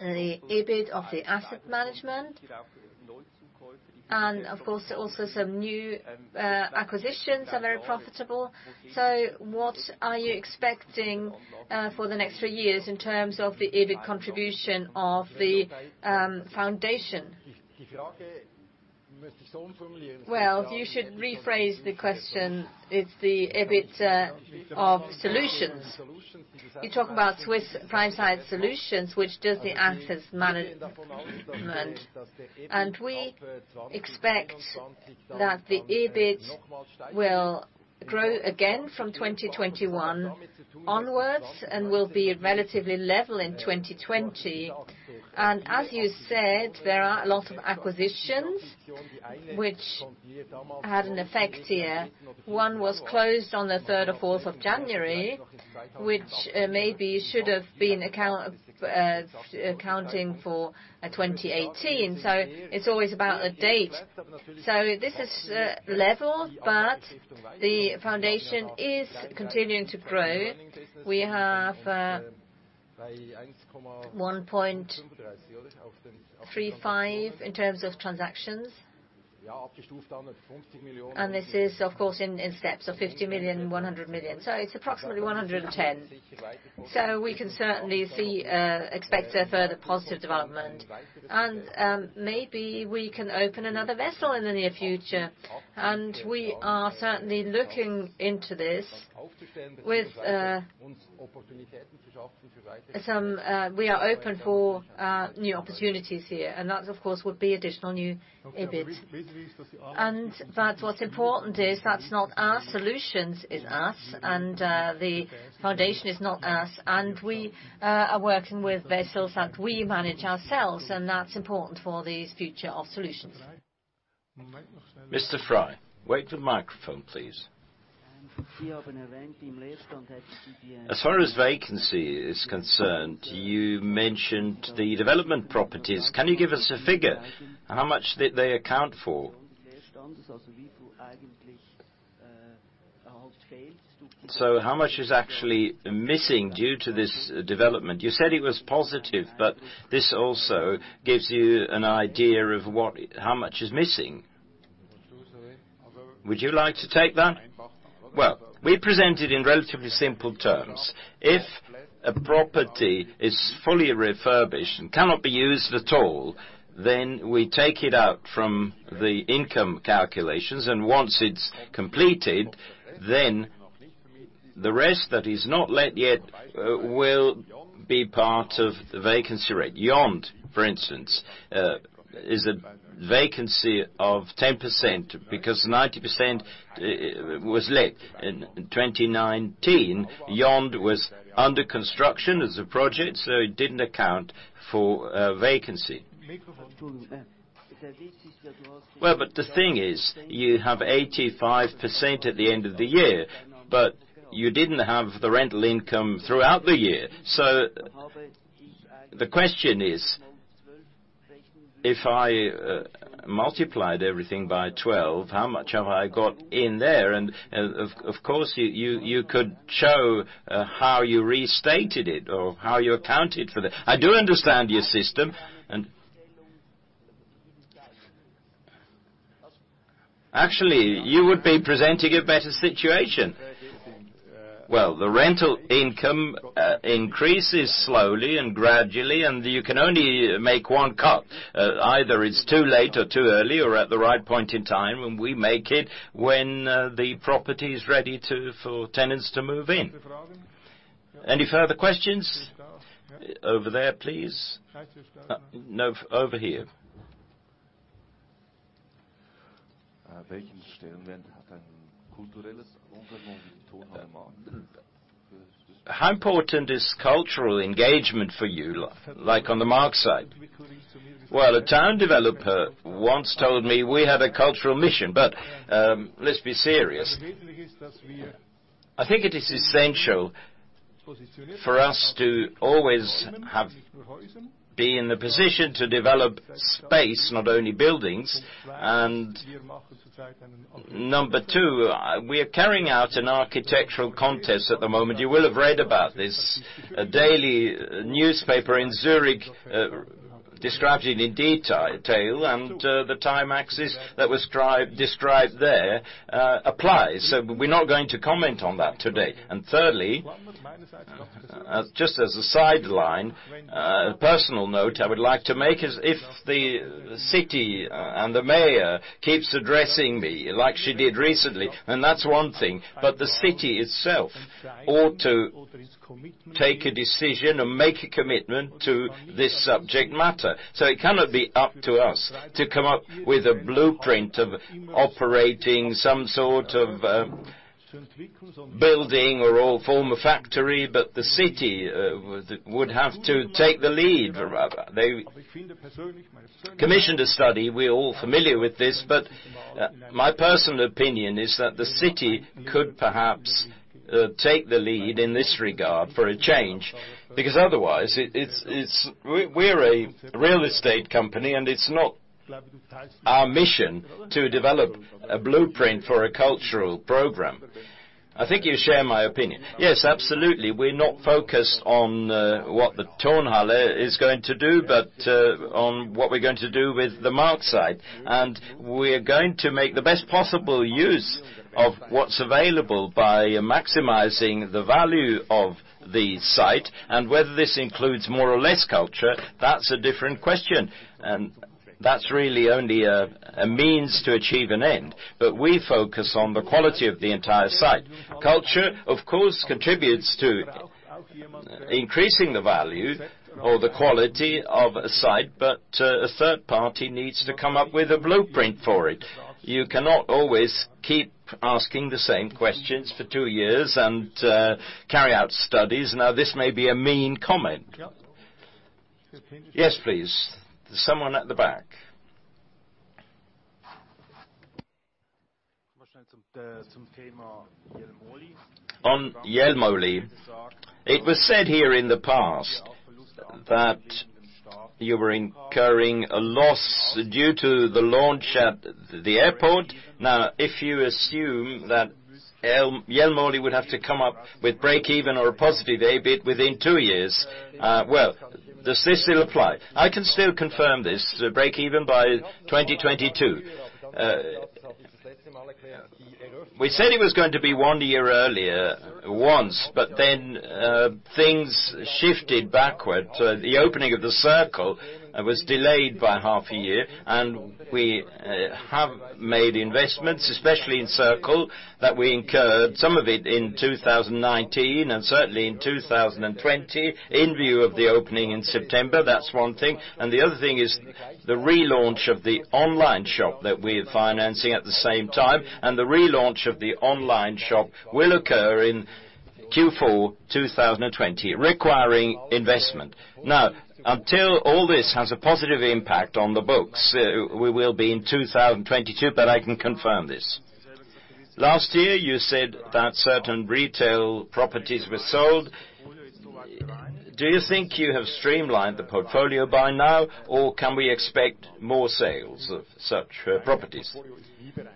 the EBIT of the asset management. Of course, also some new acquisitions are very profitable. What are you expecting for the next three years in terms of the EBIT contribution of the foundation? You should rephrase the question. It's the EBIT of solutions. You talk about Swiss Prime Site Solutions, which does the assets management. We expect that the EBIT will grow again from 2021 onwards and will be relatively level in 2020. As you said, there are a lot of acquisitions which had an effect here. One was closed on the third or fourth of January, which maybe should have been accounting for 2018. It's always about a date. This is level, but the foundation is continuing to grow. We have 1.35 in terms of transactions. This is, of course, in steps of 50 million, 100 million. It's approximately 110 million. We can certainly expect a further positive development. Maybe we can open another vessel in the near future. We are certainly looking into this. We are open for new opportunities here, that, of course, would be additional new EBIT. What's important is that's not our solutions, it's us. The foundation is not us. We are working with vessels that we manage ourselves, that's important for the future of solutions. Mr. Frey, wait for the microphone, please. As far as vacancy is concerned, you mentioned the development properties. Can you give us a figure on how much they account for? How much is actually missing due to this development? You said it was positive, but this also gives you an idea of how much is missing. Would you like to take that? Well, we present it in relatively simple terms. If a property is fully refurbished and cannot be used at all, then we take it out from the income calculations, and once it's completed, then the rest that is not let yet will be part of the vacancy rate. Yond, for instance, is a vacancy of 10%, because 90% was let. In 2019, Yond was under construction as a project. It didn't account for vacancy. Well, the thing is, you have 85% at the end of the year. You didn't have the rental income throughout the year. The question is, if I multiplied everything by 12, how much have I got in there? Of course, you could show how you restated it or how you accounted for that. I do understand your system. Actually, you would be presenting a better situation. Well, the rental income increases slowly and gradually, and you can only make one cut. Either it's too late or too early or at the right point in time, and we make it when the property is ready for tenants to move in. Any further questions? Over there, please. No, over here. How important is cultural engagement for you, like on the Maag site? Well, a town developer once told me we have a cultural mission, but let's be serious. I think it is essential for us to always be in a position to develop space, not only buildings. Number two, we are carrying out an architectural contest at the moment. You will have read about this. A daily newspaper in Zurich described it in detail, and the time axis that was described there applies. We're not going to comment on that today. Thirdly, just as a sideline, a personal note I would like to make is if the city and the mayor keeps addressing me like she did recently, and that's one thing, but the city itself ought to take a decision and make a commitment to this subject matter. It cannot be up to us to come up with a blueprint of operating some sort of building or old former factory, but the city would have to take the lead. They commissioned a study. We're all familiar with this. My personal opinion is that the city could perhaps take the lead in this regard for a change, because otherwise, we're a real estate company, and it's not our mission to develop a blueprint for a cultural program. I think you share my opinion. Yes, absolutely. We're not focused on what the Tonhalle is going to do, but on what we're going to do with the Maag site. We're going to make the best possible use of what's available by maximizing the value of the site. Whether this includes more or less culture, that's a different question. That's really only a means to achieve an end. We focus on the quality of the entire site. Culture, of course, contributes to increasing the value or the quality of a site, but a third party needs to come up with a blueprint for it. You cannot always keep asking the same questions for two years and carry out studies. Now, this may be a mean comment. Yes, please. There's someone at the back. On Jelmoli, it was said here in the past that you were incurring a loss due to the launch at the airport. If you assume that Jelmoli would have to come up with breakeven or a positive EBIT within two years, well, does this still apply? I can still confirm this, breakeven by 2022. We said it was going to be one year earlier once, then things shifted backward. The opening of the Circle was delayed by half a year, we have made investments, especially in the Circle, that we incurred, some of it in 2019 and certainly in 2020, in view of the opening in September. That's one thing, the other thing is the relaunch of the online shop that we're financing at the same time. The relaunch of the online shop will occur in Q4 2020, requiring investment. Until all this has a positive impact on the books, we will be in 2022, I can confirm this. Last year, you said that certain retail properties were sold. Do you think you have streamlined the portfolio by now, or can we expect more sales of such properties?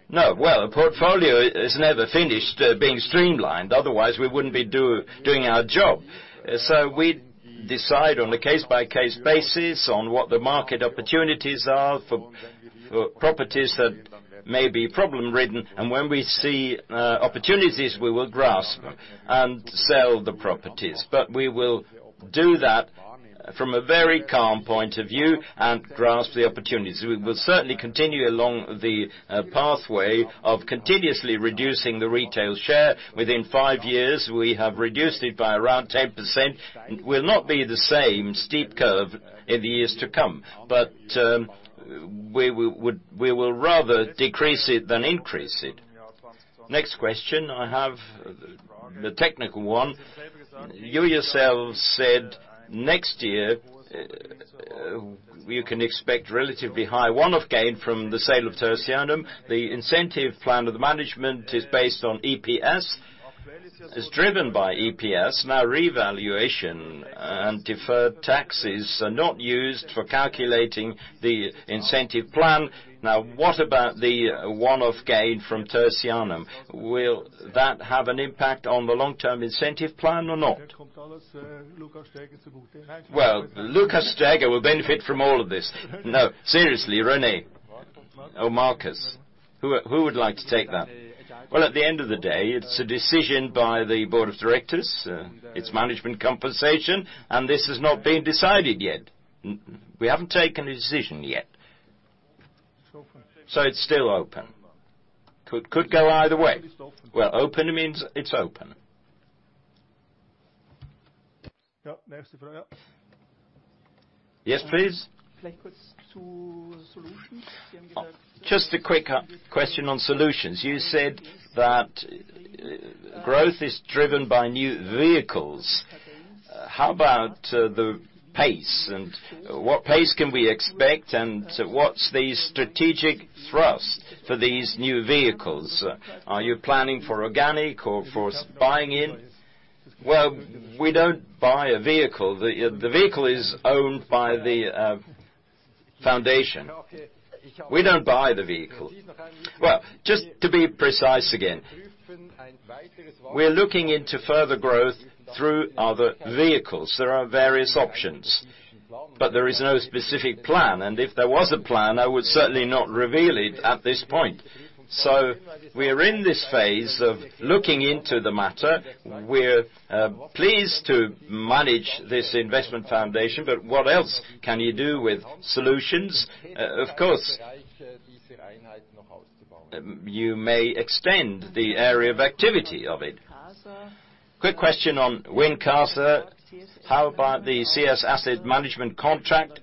No. Well, the portfolio is never finished being streamlined. Otherwise, we wouldn't be doing our job. We decide on a case-by-case basis on what the market opportunities are for properties that may be problem-ridden. When we see opportunities, we will grasp them and sell the properties. We will do that from a very calm point of view and grasp the opportunities. We will certainly continue along the pathway of continuously reducing the retail share. Within five years, we have reduced it by around 10%. It will not be the same steep curve in the years to come. We will rather decrease it than increase it. Next question I have, the technical one. You yourself said, next year, we can expect relatively high one-off gain from the sale of Tertianum. The incentive plan of the management is based on EPS. It's driven by EPS. Revaluation and deferred taxes are not used for calculating the incentive plan. What about the one-off gain from Tertianum? Will that have an impact on the long-term incentive plan or not? Well, Lukas Steger will benefit from all of this. No, seriously, René, Markus, who would like to take that? Well, at the end of the day, it's a decision by the board of directors. It's management compensation, and this has not been decided yet. We haven't taken a decision yet. It's still open. Could go either way. Well, open means it's open. Yes, please. Just a quick question on solutions. You said that growth is driven by new vehicles. How about the pace, and what pace can we expect, and what's the strategic thrust for these new vehicles? Are you planning for organic or for buying in? Well, we don't buy a vehicle. The vehicle is owned by the foundation. We don't buy the vehicle. Well, just to be precise again, we're looking into further growth through other vehicles. There are various options. There is no specific plan. If there was a plan, I would certainly not reveal it at this point. We are in this phase of looking into the matter. We're pleased to manage this Investment Foundation, what else can you do with solutions? Of course, you may extend the area of activity of it. Quick question on Wincasa. How about the CS Asset Management contract?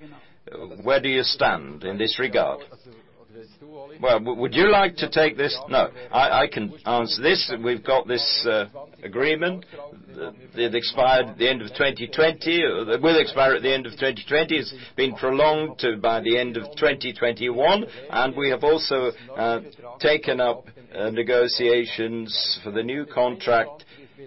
Where do you stand in this regard? Well, would you like to take this? No. I can answer this. We've got this agreement. It expired at the end of 2020, or will expire at the end of 2020. It's been prolonged by the end of 2021, and we have also taken up negotiations for the new contract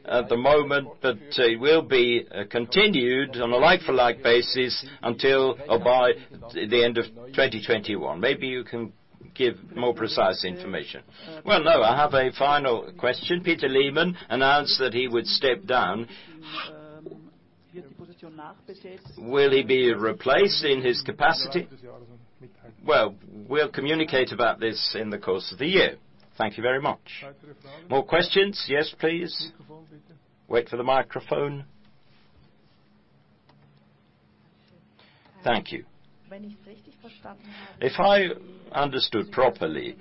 at the moment. It will be continued on a like-for-like basis until or by the end of 2021. Maybe you can give more precise information. Well, no, I have a final question. Peter Lehmann announced that he would step down. Will he be replaced in his capacity? Well, we'll communicate about this in the course of the year. Thank you very much. More questions? Yes, please. Wait for the microphone. Thank you. If I understood properly,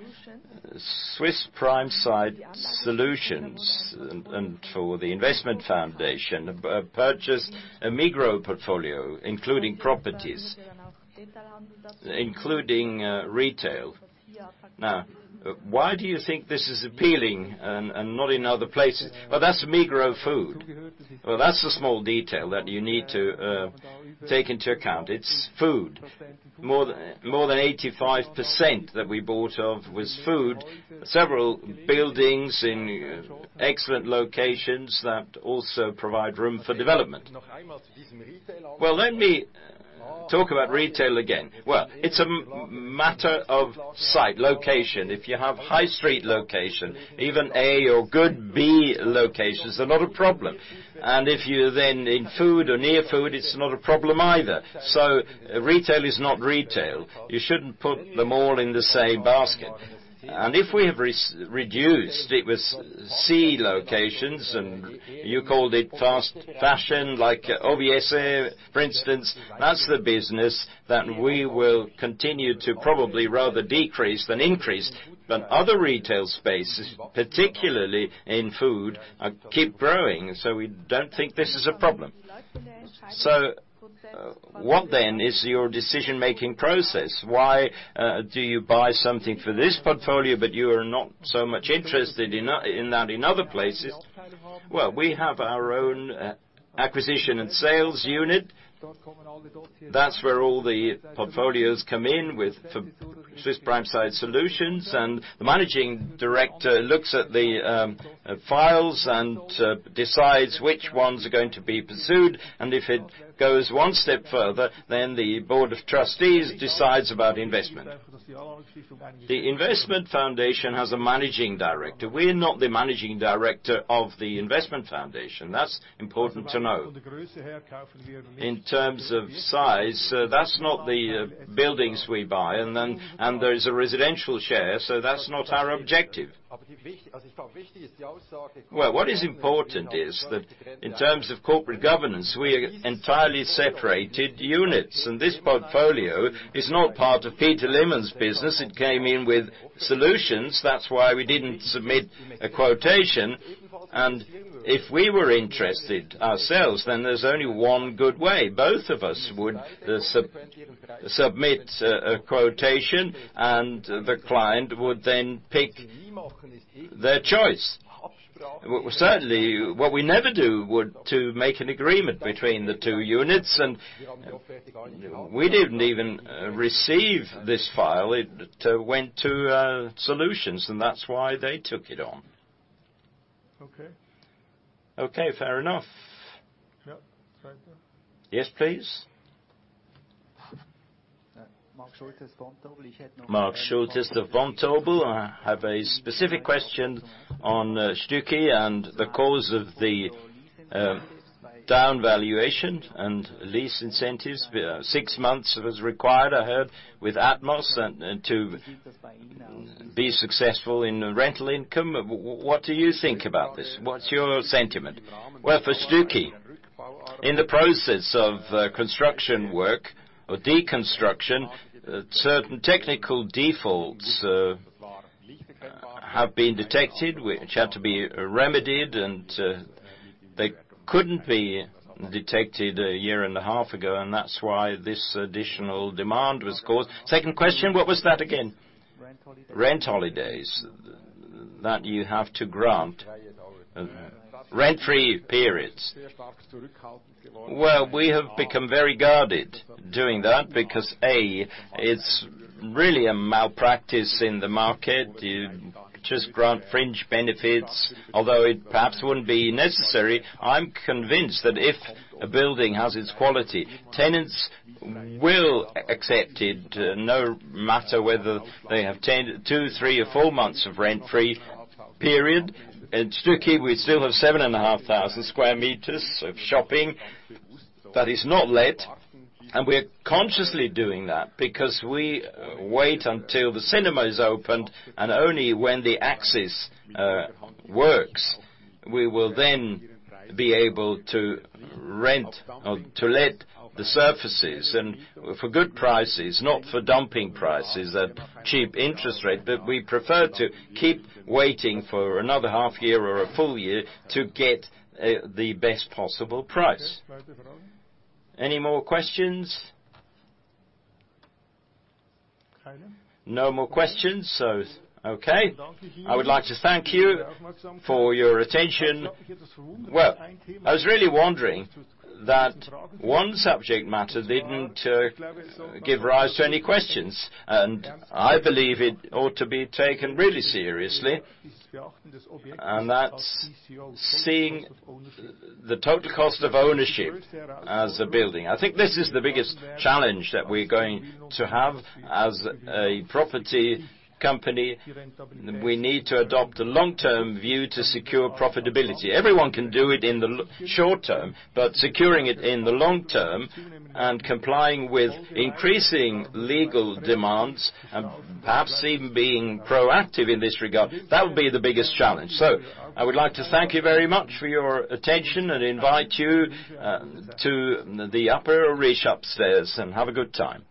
Swiss Prime Site Solutions and for the investment foundation purchased a Migros portfolio, including properties, including retail. Why do you think this is appealing and not in other places? Well, that's Migros food. Well, that's a small detail that you need to take into account. It's food. More than 85% that we bought of was food, several buildings in excellent locations that also provide room for development. Well, let me talk about retail again. Well, it's a matter of site location. If you have high street location, even A or good B locations, it's not a problem. If you're then in food or near food, it's not a problem either. Retail is not retail. You shouldn't put them all in the same basket. If we have reduced, it was C locations, and you called it fast fashion, like OVS, for instance, that's the business that we will continue to probably rather decrease than increase. Other retail spaces, particularly in food, keep growing. We don't think this is a problem. What then is your decision-making process? Why do you buy something for this portfolio but you are not so much interested in that in other places? We have our own acquisition and sales unit. That's where all the portfolios come in with Swiss Prime Site Solutions, and the managing director looks at the files and decides which ones are going to be pursued, and if it goes one step further, then the board of trustees decides about investment. The investment foundation has a managing director. We're not the managing director of the investment foundation. That's important to know. In terms of size, that's not the buildings we buy. There is a residential share, so that's not our objective. What is important is that in terms of corporate governance, we are entirely separated units. This portfolio is not part of Peter Lehmann's business. It came in with Solutions. That's why we didn't submit a quotation. If we were interested ourselves, then there's only one good way. Both of us would submit a quotation, the client would then pick their choice. Certainly, what we never do would to make an agreement between the two units, we didn't even receive this file. It went to Solutions, that's why they took it on. Okay, fair enough. Yes, please. Matteo Lindauer of Vontobel. I have a specific question on Stücki and the cause of the down valuation and lease incentives. Six months was required, I heard, with Atmos to be successful in rental income. What do you think about this? What's your sentiment? Well, for Stücki, in the process of construction work or deconstruction, certain technical defaults have been detected, which had to be remedied, and they couldn't be detected a year and a half ago, and that's why this additional demand was caused. Second question, what was that again? Rent holidays that you have to grant. Rent-free periods. Well, we have become very guarded doing that because, A, it's really a malpractice in the market. You just grant fringe benefits, although it perhaps wouldn't be necessary. I'm convinced that if a building has its quality, tenants will accept it, no matter whether they have two, three, or four months of rent-free period. At Stücki, we still have 7,500 sq m of shopping that is not let. We are consciously doing that because we wait until the cinema is opened. Only when the axis works, we will then be able to rent or to let the surfaces and for good prices, not for dumping prices at cheap interest rate. We prefer to keep waiting for another half year or a full year to get the best possible price. Any more questions? No more questions. Okay. I would like to thank you for your attention. I was really wondering that one subject matter didn't give rise to any questions, I believe it ought to be taken really seriously, and that's seeing the total cost of ownership as a building. I think this is the biggest challenge that we're going to have as a property company. We need to adopt a long-term view to secure profitability. Everyone can do it in the short term, but securing it in the long term and complying with increasing legal demands and perhaps even being proactive in this regard, that would be the biggest challenge. I would like to thank you very much for your attention and invite you to the Apéro riche upstairs, and have a good time.